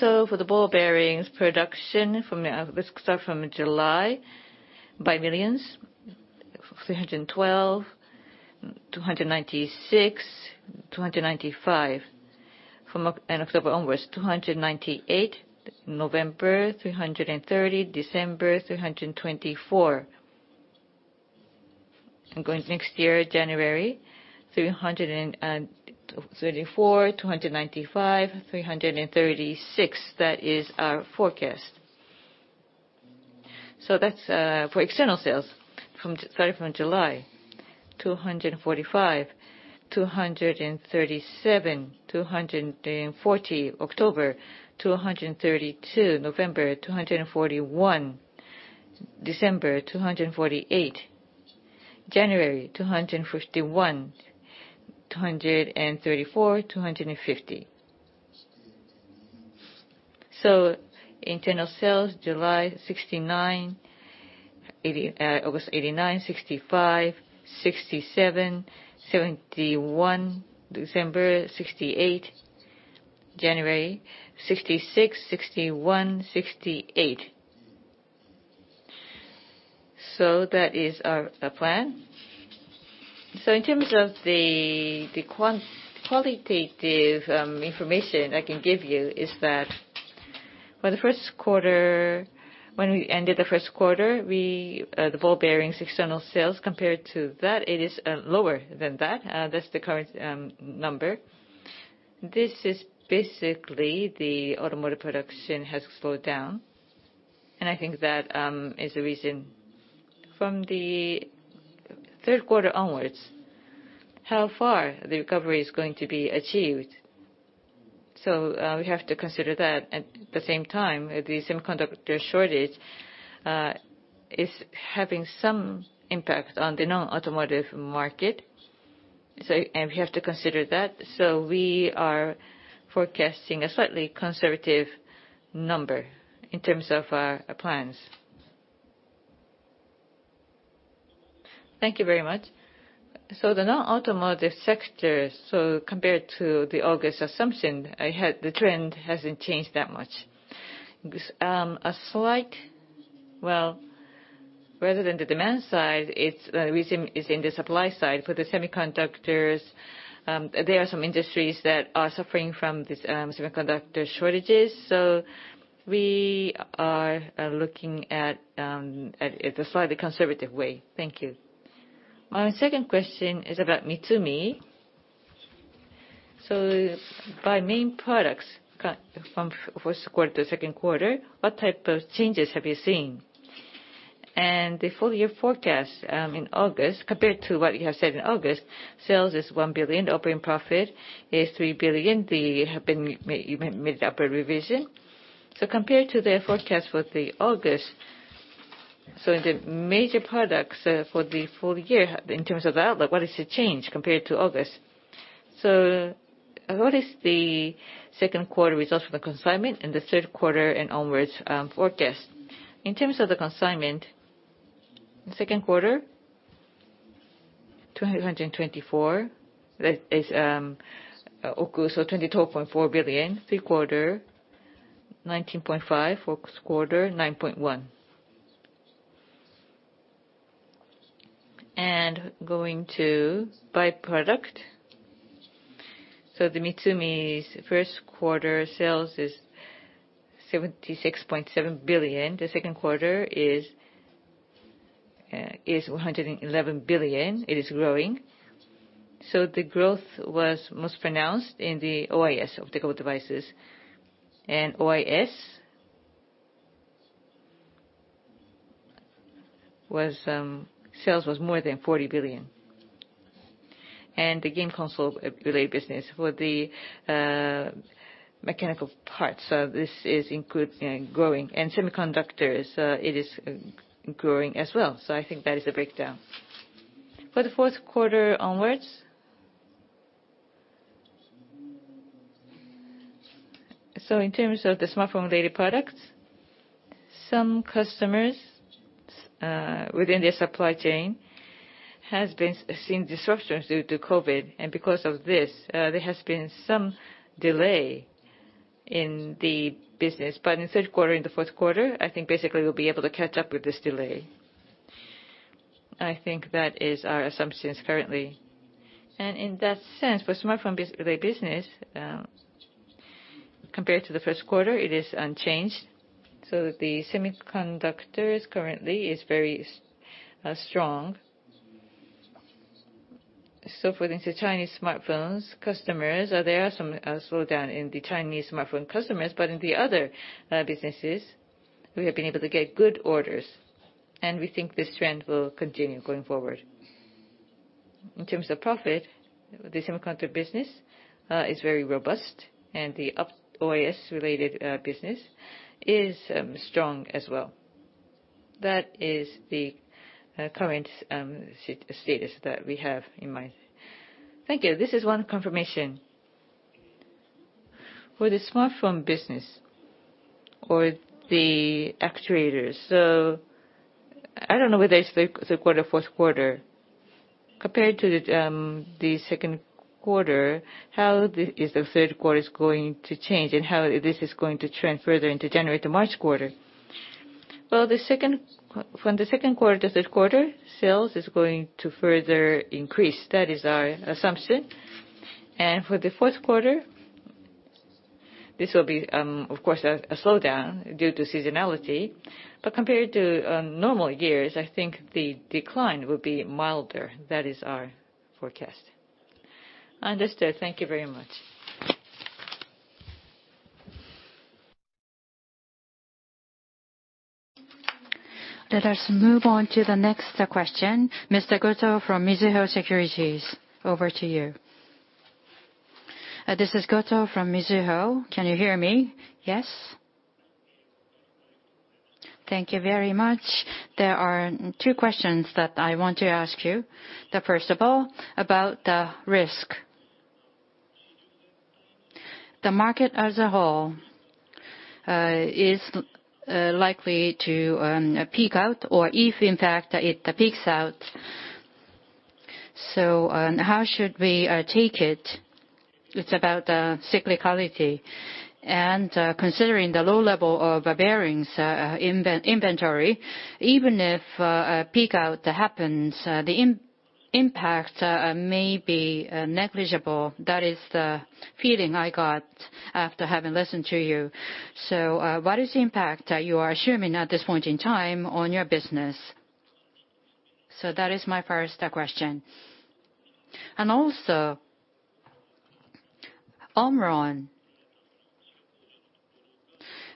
B: For the ball bearings production, let's start from July in millions. 312, 296, 295. From October onwards, 298. November, 330. December, 324. Going next year, January, 334. 295. 336. That is our forecast. That's for external sales. Starting from July, 245. 237. 240, October. 232, November. 241, December. 248, January. 251. 234. 250. Internal sales, July, 69. August, 89. 65. 67. 71. December, 68. January, 66. 61. 68. That is our plan. In terms of the qualitative information I can give you is that for the first quarter, when we ended the first quarter, the ball bearings external sales compared to that, it is lower than that. That's the current number. This is basically the automotive production has slowed down, and I think that is the reason. From the third quarter onwards, we have to consider how far the recovery is going to be achieved. At the same time, the semiconductor shortage is having some impact on the non-automotive market, and we have to consider that. We are forecasting a slightly conservative number in terms of our plans.
E: Thank you very much. The non-automotive sector, compared to the August assumption I had, the trend hasn't changed that much.
B: Well, rather than the demand side, it's the reason is in the supply side. For the semiconductors, there are some industries that are suffering from these semiconductor shortages, so we are looking at a slightly conservative way.
E: Thank you. My second question is about MITSUMI. By main products, from first quarter to second quarter, what type of changes have you seen? The full year forecast in August, compared to what you have said in August, sales is 1 billion, operating profit is 3 billion. You made an upward revision. Compared to the forecast for August, in the major products for the full year, in terms of outlook, what is the change compared to August?
C: What is the second quarter results for the consignment and the third quarter and onwards, forecast?
B: In terms of the consignment, the second quarter, 224. That is, oku, so 22.4 billion. Third quarter, 19.5 billion. Fourth quarter, JPY 9.1 billion. And going to by product. The MITSUMI's first quarter sales is 76.7 billion. The second quarter is 111 billion. It is growing. The growth was most pronounced in the OIS optical devices. And OIS sales was more than 40 billion. And the game console related business for the mechanical parts, this is including growing. And semiconductors, it is growing as well. I think that is the breakdown. For the fourth quarter onwards, in terms of the smartphone related products, some customers within their supply chain has been seeing disruptions due to COVID. Because of this, there has been some delay in the business. In the third quarter and the fourth quarter, I think basically we'll be able to catch up with this delay. I think that is our assumptions currently. In that sense, for smartphone related business, compared to the first quarter, it is unchanged. The semiconductors currently is very strong. For the Chinese smartphone customers, there are some slowdown in the Chinese smartphone customers. In the other businesses, we have been able to get good orders, and we think this trend will continue going forward. In terms of profit, the semiconductor business is very robust, and the OIS related business is strong as well. That is the current status that we have in mind.
E: Thank you. This is one confirmation. For the smartphone business or the actuators, so I don't know whether it's the third quarter, fourth quarter. Compared to the second quarter, how is the third quarter going to change, and how this is going to trend further into January to March quarter?
B: Well, from the second quarter to this quarter, sales is going to further increase. That is our assumption. For the fourth quarter, this will be, of course, a slowdown due to seasonality. Compared to normal years, I think the decline will be milder. That is our forecast.
E: Understood. Thank you very much.
A: Let us move on to the next question. Mr. Goto from Mizuho Securities, over to you.
F: This is Goto from Mizuho. Can you hear me?
B: Yes.
F: Thank you very much. There are two questions that I want to ask you. The first of all, about the risk. The market as a whole is likely to peak out or if in fact it peaks out, how should we take it? It's about the cyclicality. Considering the low level of bearings inventory, even if a peak out happens, the impact may be negligible. That is the feeling I got after having listened to you. What is the impact you are assuming at this point in time on your business? That is my first question. Also, Omron.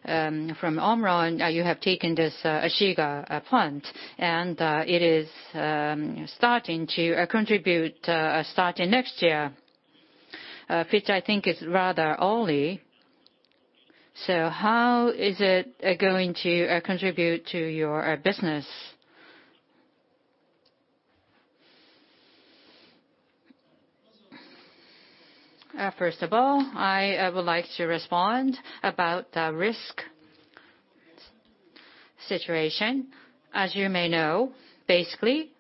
F: From Omron, you have taken this Shiga plant, and it is starting to contribute starting next year, which I think is rather early. How is it going to contribute to your business?
C: First of all, I would like to respond about the risk situation. As you may know, basically,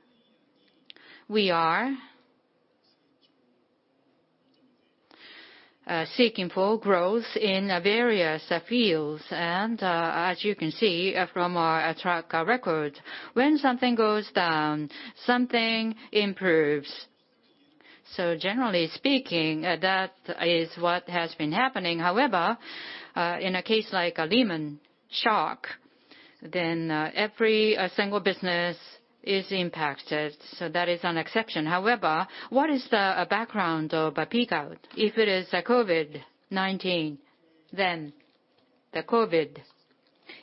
C: we are seeking for growth in various fields. As you can see from our track record, when something goes down, something improves. Generally speaking, that is what has been happening. However, in a case like a Lehman shock, every single business is impacted, that is an exception. However, what is the background of a peak out? If it is a COVID-19, then the COVID.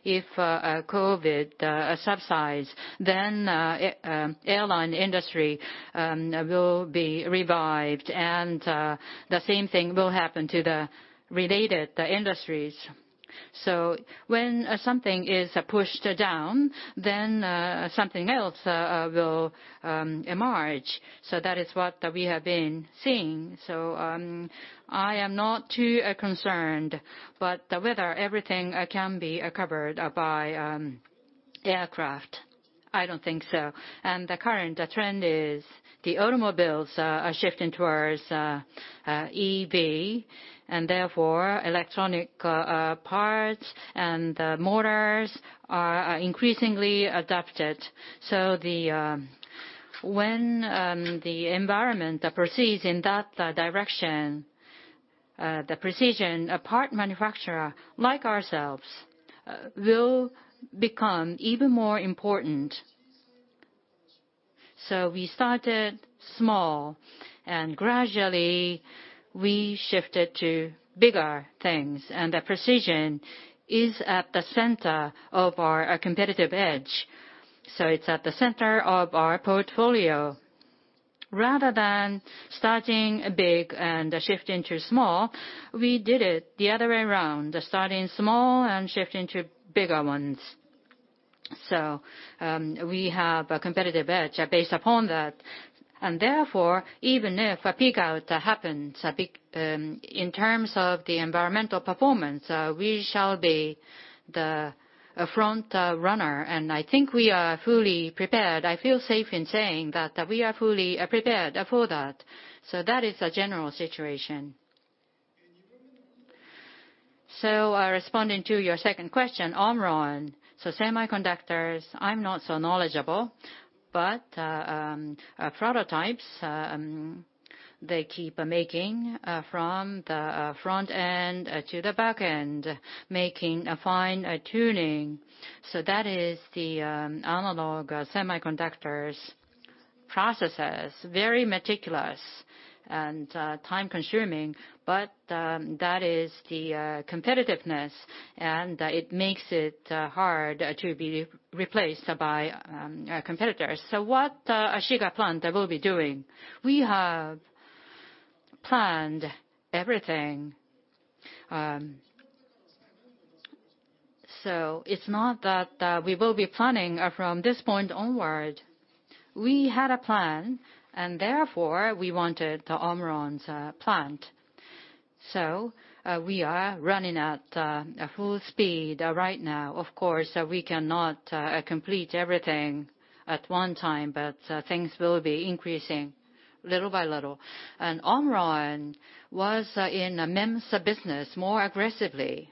C: If COVID subsides, airline industry will be revived. The same thing will happen to the related industries. When something is pushed down, something else will emerge. That is what we have been seeing. I am not too concerned. But whether everything can be covered by aircraft, I don't think so. The current trend is the automobiles are shifting towards EV, and therefore electronic parts and motors are increasingly adapted. When the environment proceeds in that direction, the precision part manufacturer like ourselves will become even more important. We started small, and gradually we shifted to bigger things. The precision is at the center of our competitive edge, so it's at the center of our portfolio. Rather than starting big and shifting to small, we did it the other way around, starting small and shifting to bigger ones. We have a competitive edge based upon that. Therefore, even if a peak out happens, in terms of the environmental performance, we shall be the front runner, and I think we are fully prepared. I feel safe in saying that we are fully prepared for that. That is the general situation. Responding to your second question, Omron. Semiconductors, I'm not so knowledgeable, but prototypes, they keep making from the front end to the back end, making a fine tuning. That is the analog semiconductors processes, very meticulous and time-consuming, but that is the competitiveness, and it makes it hard to be replaced by competitors. What Shiga plant will be doing, we have planned everything. It's not that we will be planning from this point onward. We had a plan and therefore we wanted Omron's plant. We are running at full speed right now. Of course, we cannot complete everything at one time, but things will be increasing little by little. Omron was in a MEMS business more aggressively.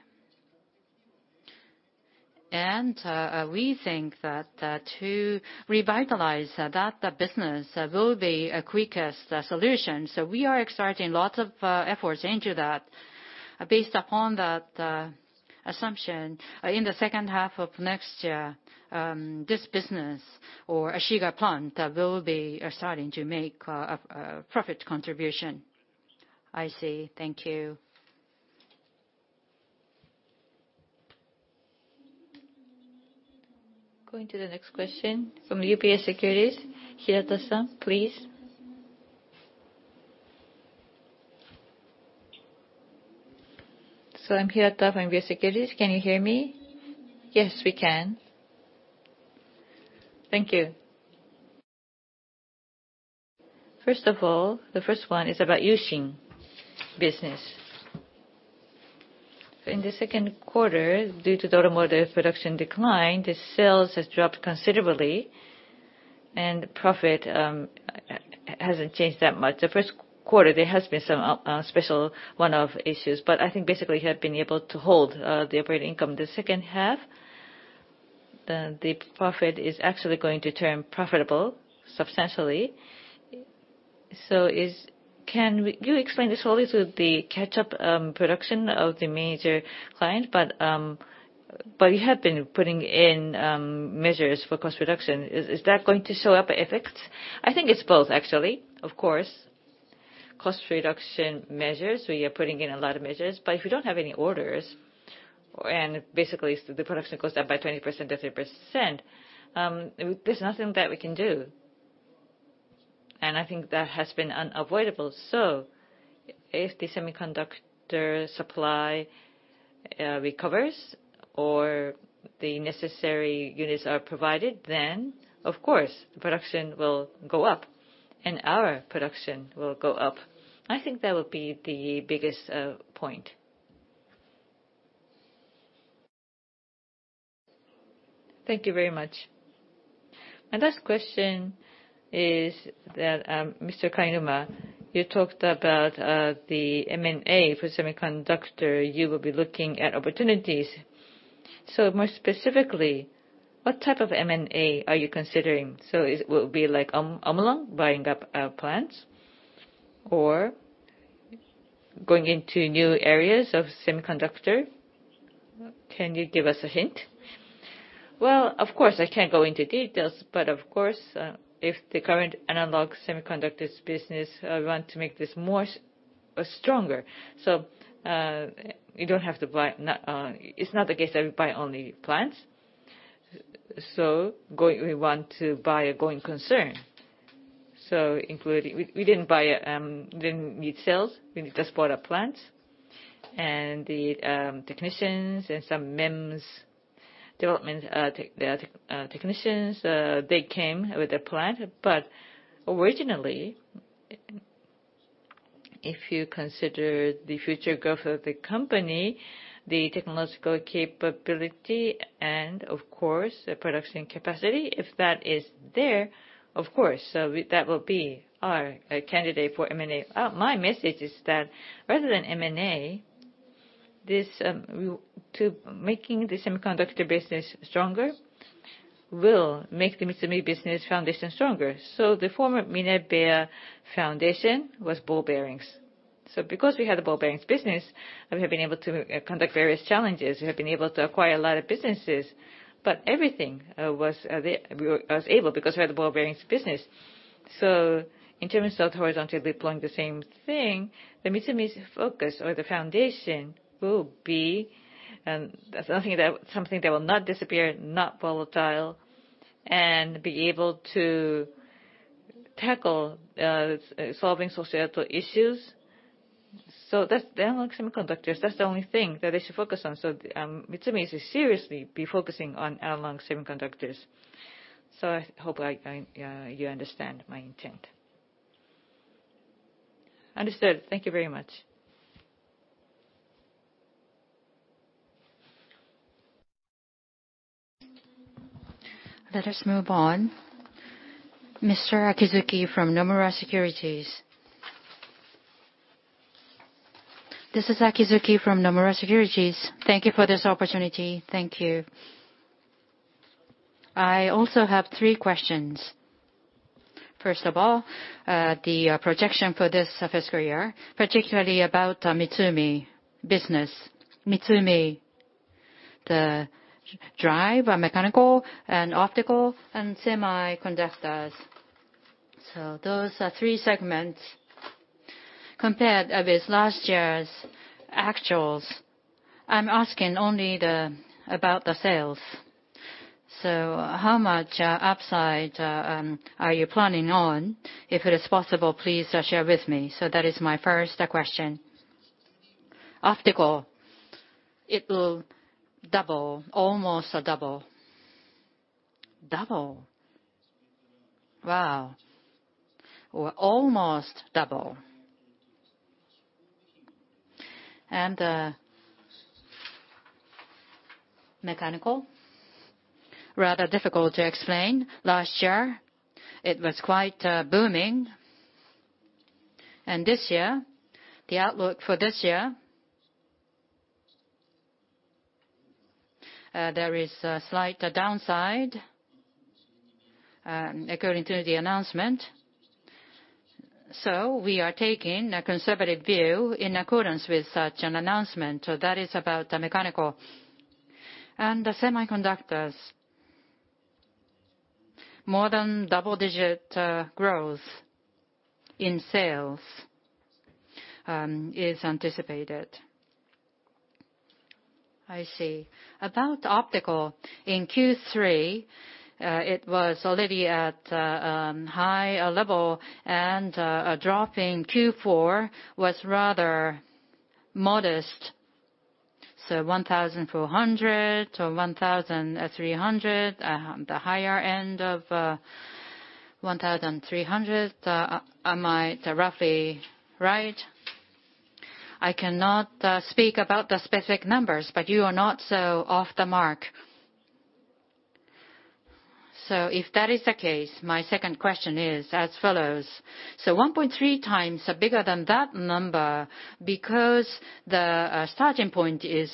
C: We think that to revitalize that business will be a quickest solution. We are exerting lots of efforts into that. Based upon that assumption, in the second half of next year, this business or Shiga plant will be starting to make a profit contribution.
F: I see. Thank you.
A: Going to the next question from UBS Securities, Hirata-san, please.
G: I'm Hirata from UBS Securities. Can you hear me?
B: Yes, we can.
G: Thank you. First of all, the first one is about U-Shin business. In the second quarter, due to automotive production decline, the sales has dropped considerably and profit hasn't changed that much. In the first quarter, there has been some special one-off issues, but I think basically you have been able to hold the operating income. In the second half, the profit is actually going to turn profitable substantially. Can you explain this always with the catch-up production of the major client, but you have been putting in measures for cost reduction. Is that going to show up effects?
C: I think it's both actually. Of course, cost reduction measures, we are putting in a lot of measures, but if you don't have any orders, and basically the production goes down by 20%-30%, there's nothing that we can do. I think that has been unavoidable. If the semiconductor supply recovers or the necessary units are provided, then of course, the production will go up and our production will go up. I think that would be the biggest point.
G: Thank you very much. My last question is that, Mr. Kainuma, you talked about the M&A for semiconductor. You will be looking at opportunities. More specifically, what type of M&A are you considering? Will it be like Omron buying up plants or going into new areas of semiconductor? Can you give us a hint?
C: Well, of course, I can't go into details, but of course, if the current analog semiconductors business want to make this stronger. You don't have to buy. It's not the case that we buy only plants. We want to buy a going concern. We didn't buy, we didn't need sales. We just bought our plants and the technicians and some MEMS development technicians they came with the plant. But originally, if you consider the future growth of the company, the technological capability and of course the production capacity, if that is there, of course, that will be our candidate for M&A. My message is that rather than M&A, this to making the semiconductor business stronger will make the MITSUMI business foundation stronger. The former Minebea foundation was ball bearings. Because we had the ball bearings business, we have been able to conduct various challenges. We have been able to acquire a lot of businesses, but everything was, I was able because we had the ball bearings business. In terms of horizontally deploying the same thing, Mitsumi's focus or the foundation will be something that will not disappear, not volatile, and be able to tackle solving societal issues. That's the analog semiconductors. That's the only thing that I should focus on. Mitsumi should seriously be focusing on analog semiconductors. I hope you understand my intent.
G: Understood. Thank you very much.
A: Let us move on. Mr. Akizuki from Nomura Securities.
H: This is Akizuki from Nomura Securities. Thank you for this opportunity. Thank you. I also have three questions. First of all, the projection for this fiscal year, particularly about Mitsumi business. Mitsumi, the drive, mechanical and optical and semiconductors. Those are three segments compared with last year's actuals. I'm asking only about the sales. How much upside are you planning on? If it is possible, please share with me. That is my first question.
B: Optical, it will double. Almost double.
H: Double? Wow.
B: Well, almost double.
H: Mechanical?
B: Rather difficult to explain. Last year, it was quite booming. This year, the outlook for this year, there is a slight downside according to the announcement. We are taking a conservative view in accordance with such an announcement. That is about the mechanical. The semiconductors, more than double-digit growth in sales, is anticipated.
H: I see. About optical, in Q3, it was already at high level, and a drop in Q4 was rather modest. 1,400 to 1,300, the higher end of 1,300. Am I roughly right?
B: I cannot speak about the specific numbers, but you are not so off the mark.
H: If that is the case, my second question is as follows. 1.3 times bigger than that number, because the starting point is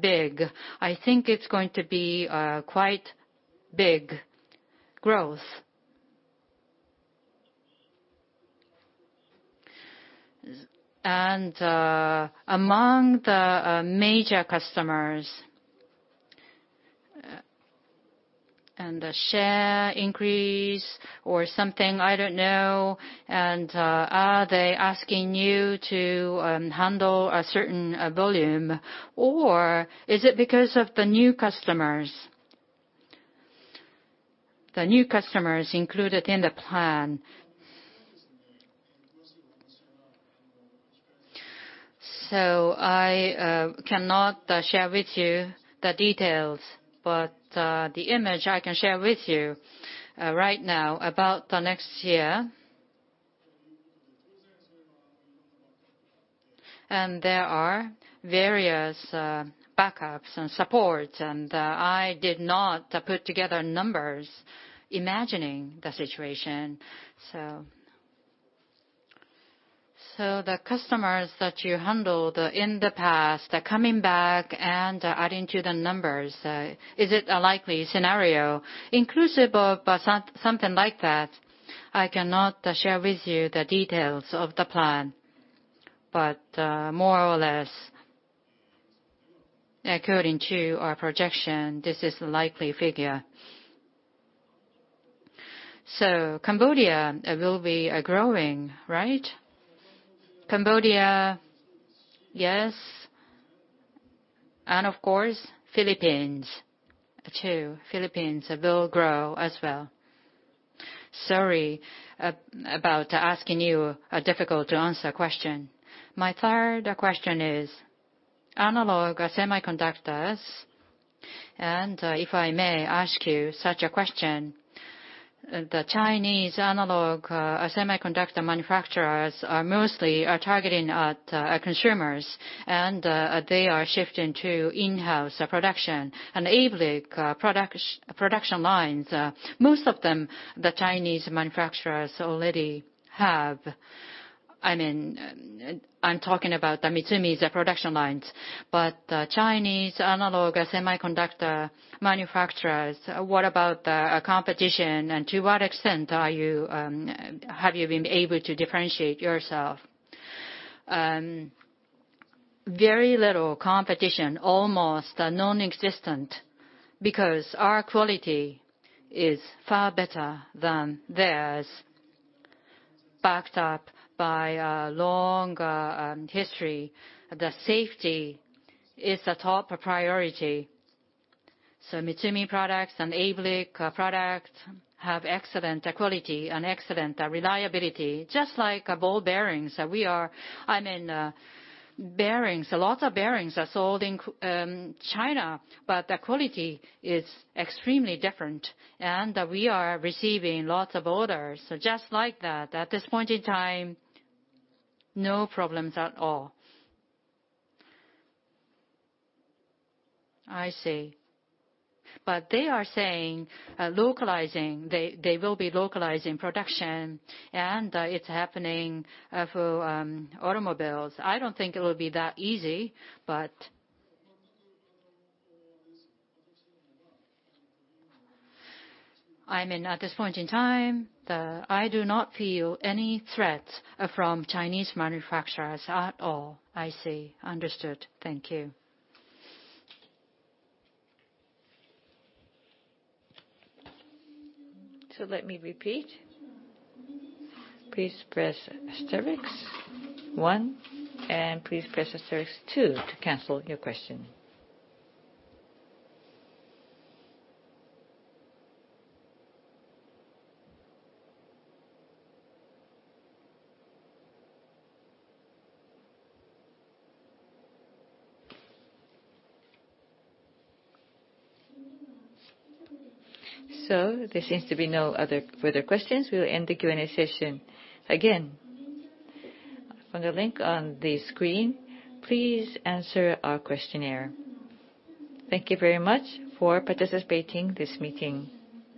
H: big, I think it's going to be quite big growth. Among the major customers, and the share increase or something, I don't know, and are they asking you to handle a certain volume? Or is it because of the new customers?
C: The new customers included in the plan. I cannot share with you the details, but the image I can share with you right now about the next year. There are various backups and supports, and I did not put together numbers imagining the situation. The customers that you handled in the past are coming back and adding to the numbers. Is it a likely scenario? Including something like that, I cannot share with you the details of the plan. More or less, according to our projection, this is the likely figure.
H: Cambodia will be growing, right?
C: Cambodia, yes. Of course, Philippines too. Philippines will grow as well.
H: Sorry about asking you a difficult-to-answer question. My third question is analog semiconductors. If I may ask you such a question, the Chinese analog semiconductor manufacturers are mostly targeting consumers. They are shifting to in-house production and fab production lines. Most of them, the Chinese manufacturers already have. I mean, I'm talking about the MITSUMI's production lines, but Chinese analog semiconductor manufacturers, what about the competition, and to what extent have you been able to differentiate yourself?
C: Very little competition, almost nonexistent, because our quality is far better than theirs, backed up by a long history. The safety is a top priority. Mitsumi products and ABLIC products have excellent quality and excellent reliability, just like ball bearings. I mean, bearings, lots of bearings are sold in China, but the quality is extremely different, and we are receiving lots of orders. Just like that, at this point in time, no problems at all. I see. They are saying localizing, they will be localizing production, and it's happening for automobiles. I don't think it will be that easy, but I mean, at this point in time, I do not feel any threats from Chinese manufacturers at all.
H: I see. Understood. Thank you.
A: Let me repeat. There seems to be no other further questions. We will end the Q&A session. Again, from the link on the screen, please answer our questionnaire. Thank you very much for participating in this meeting.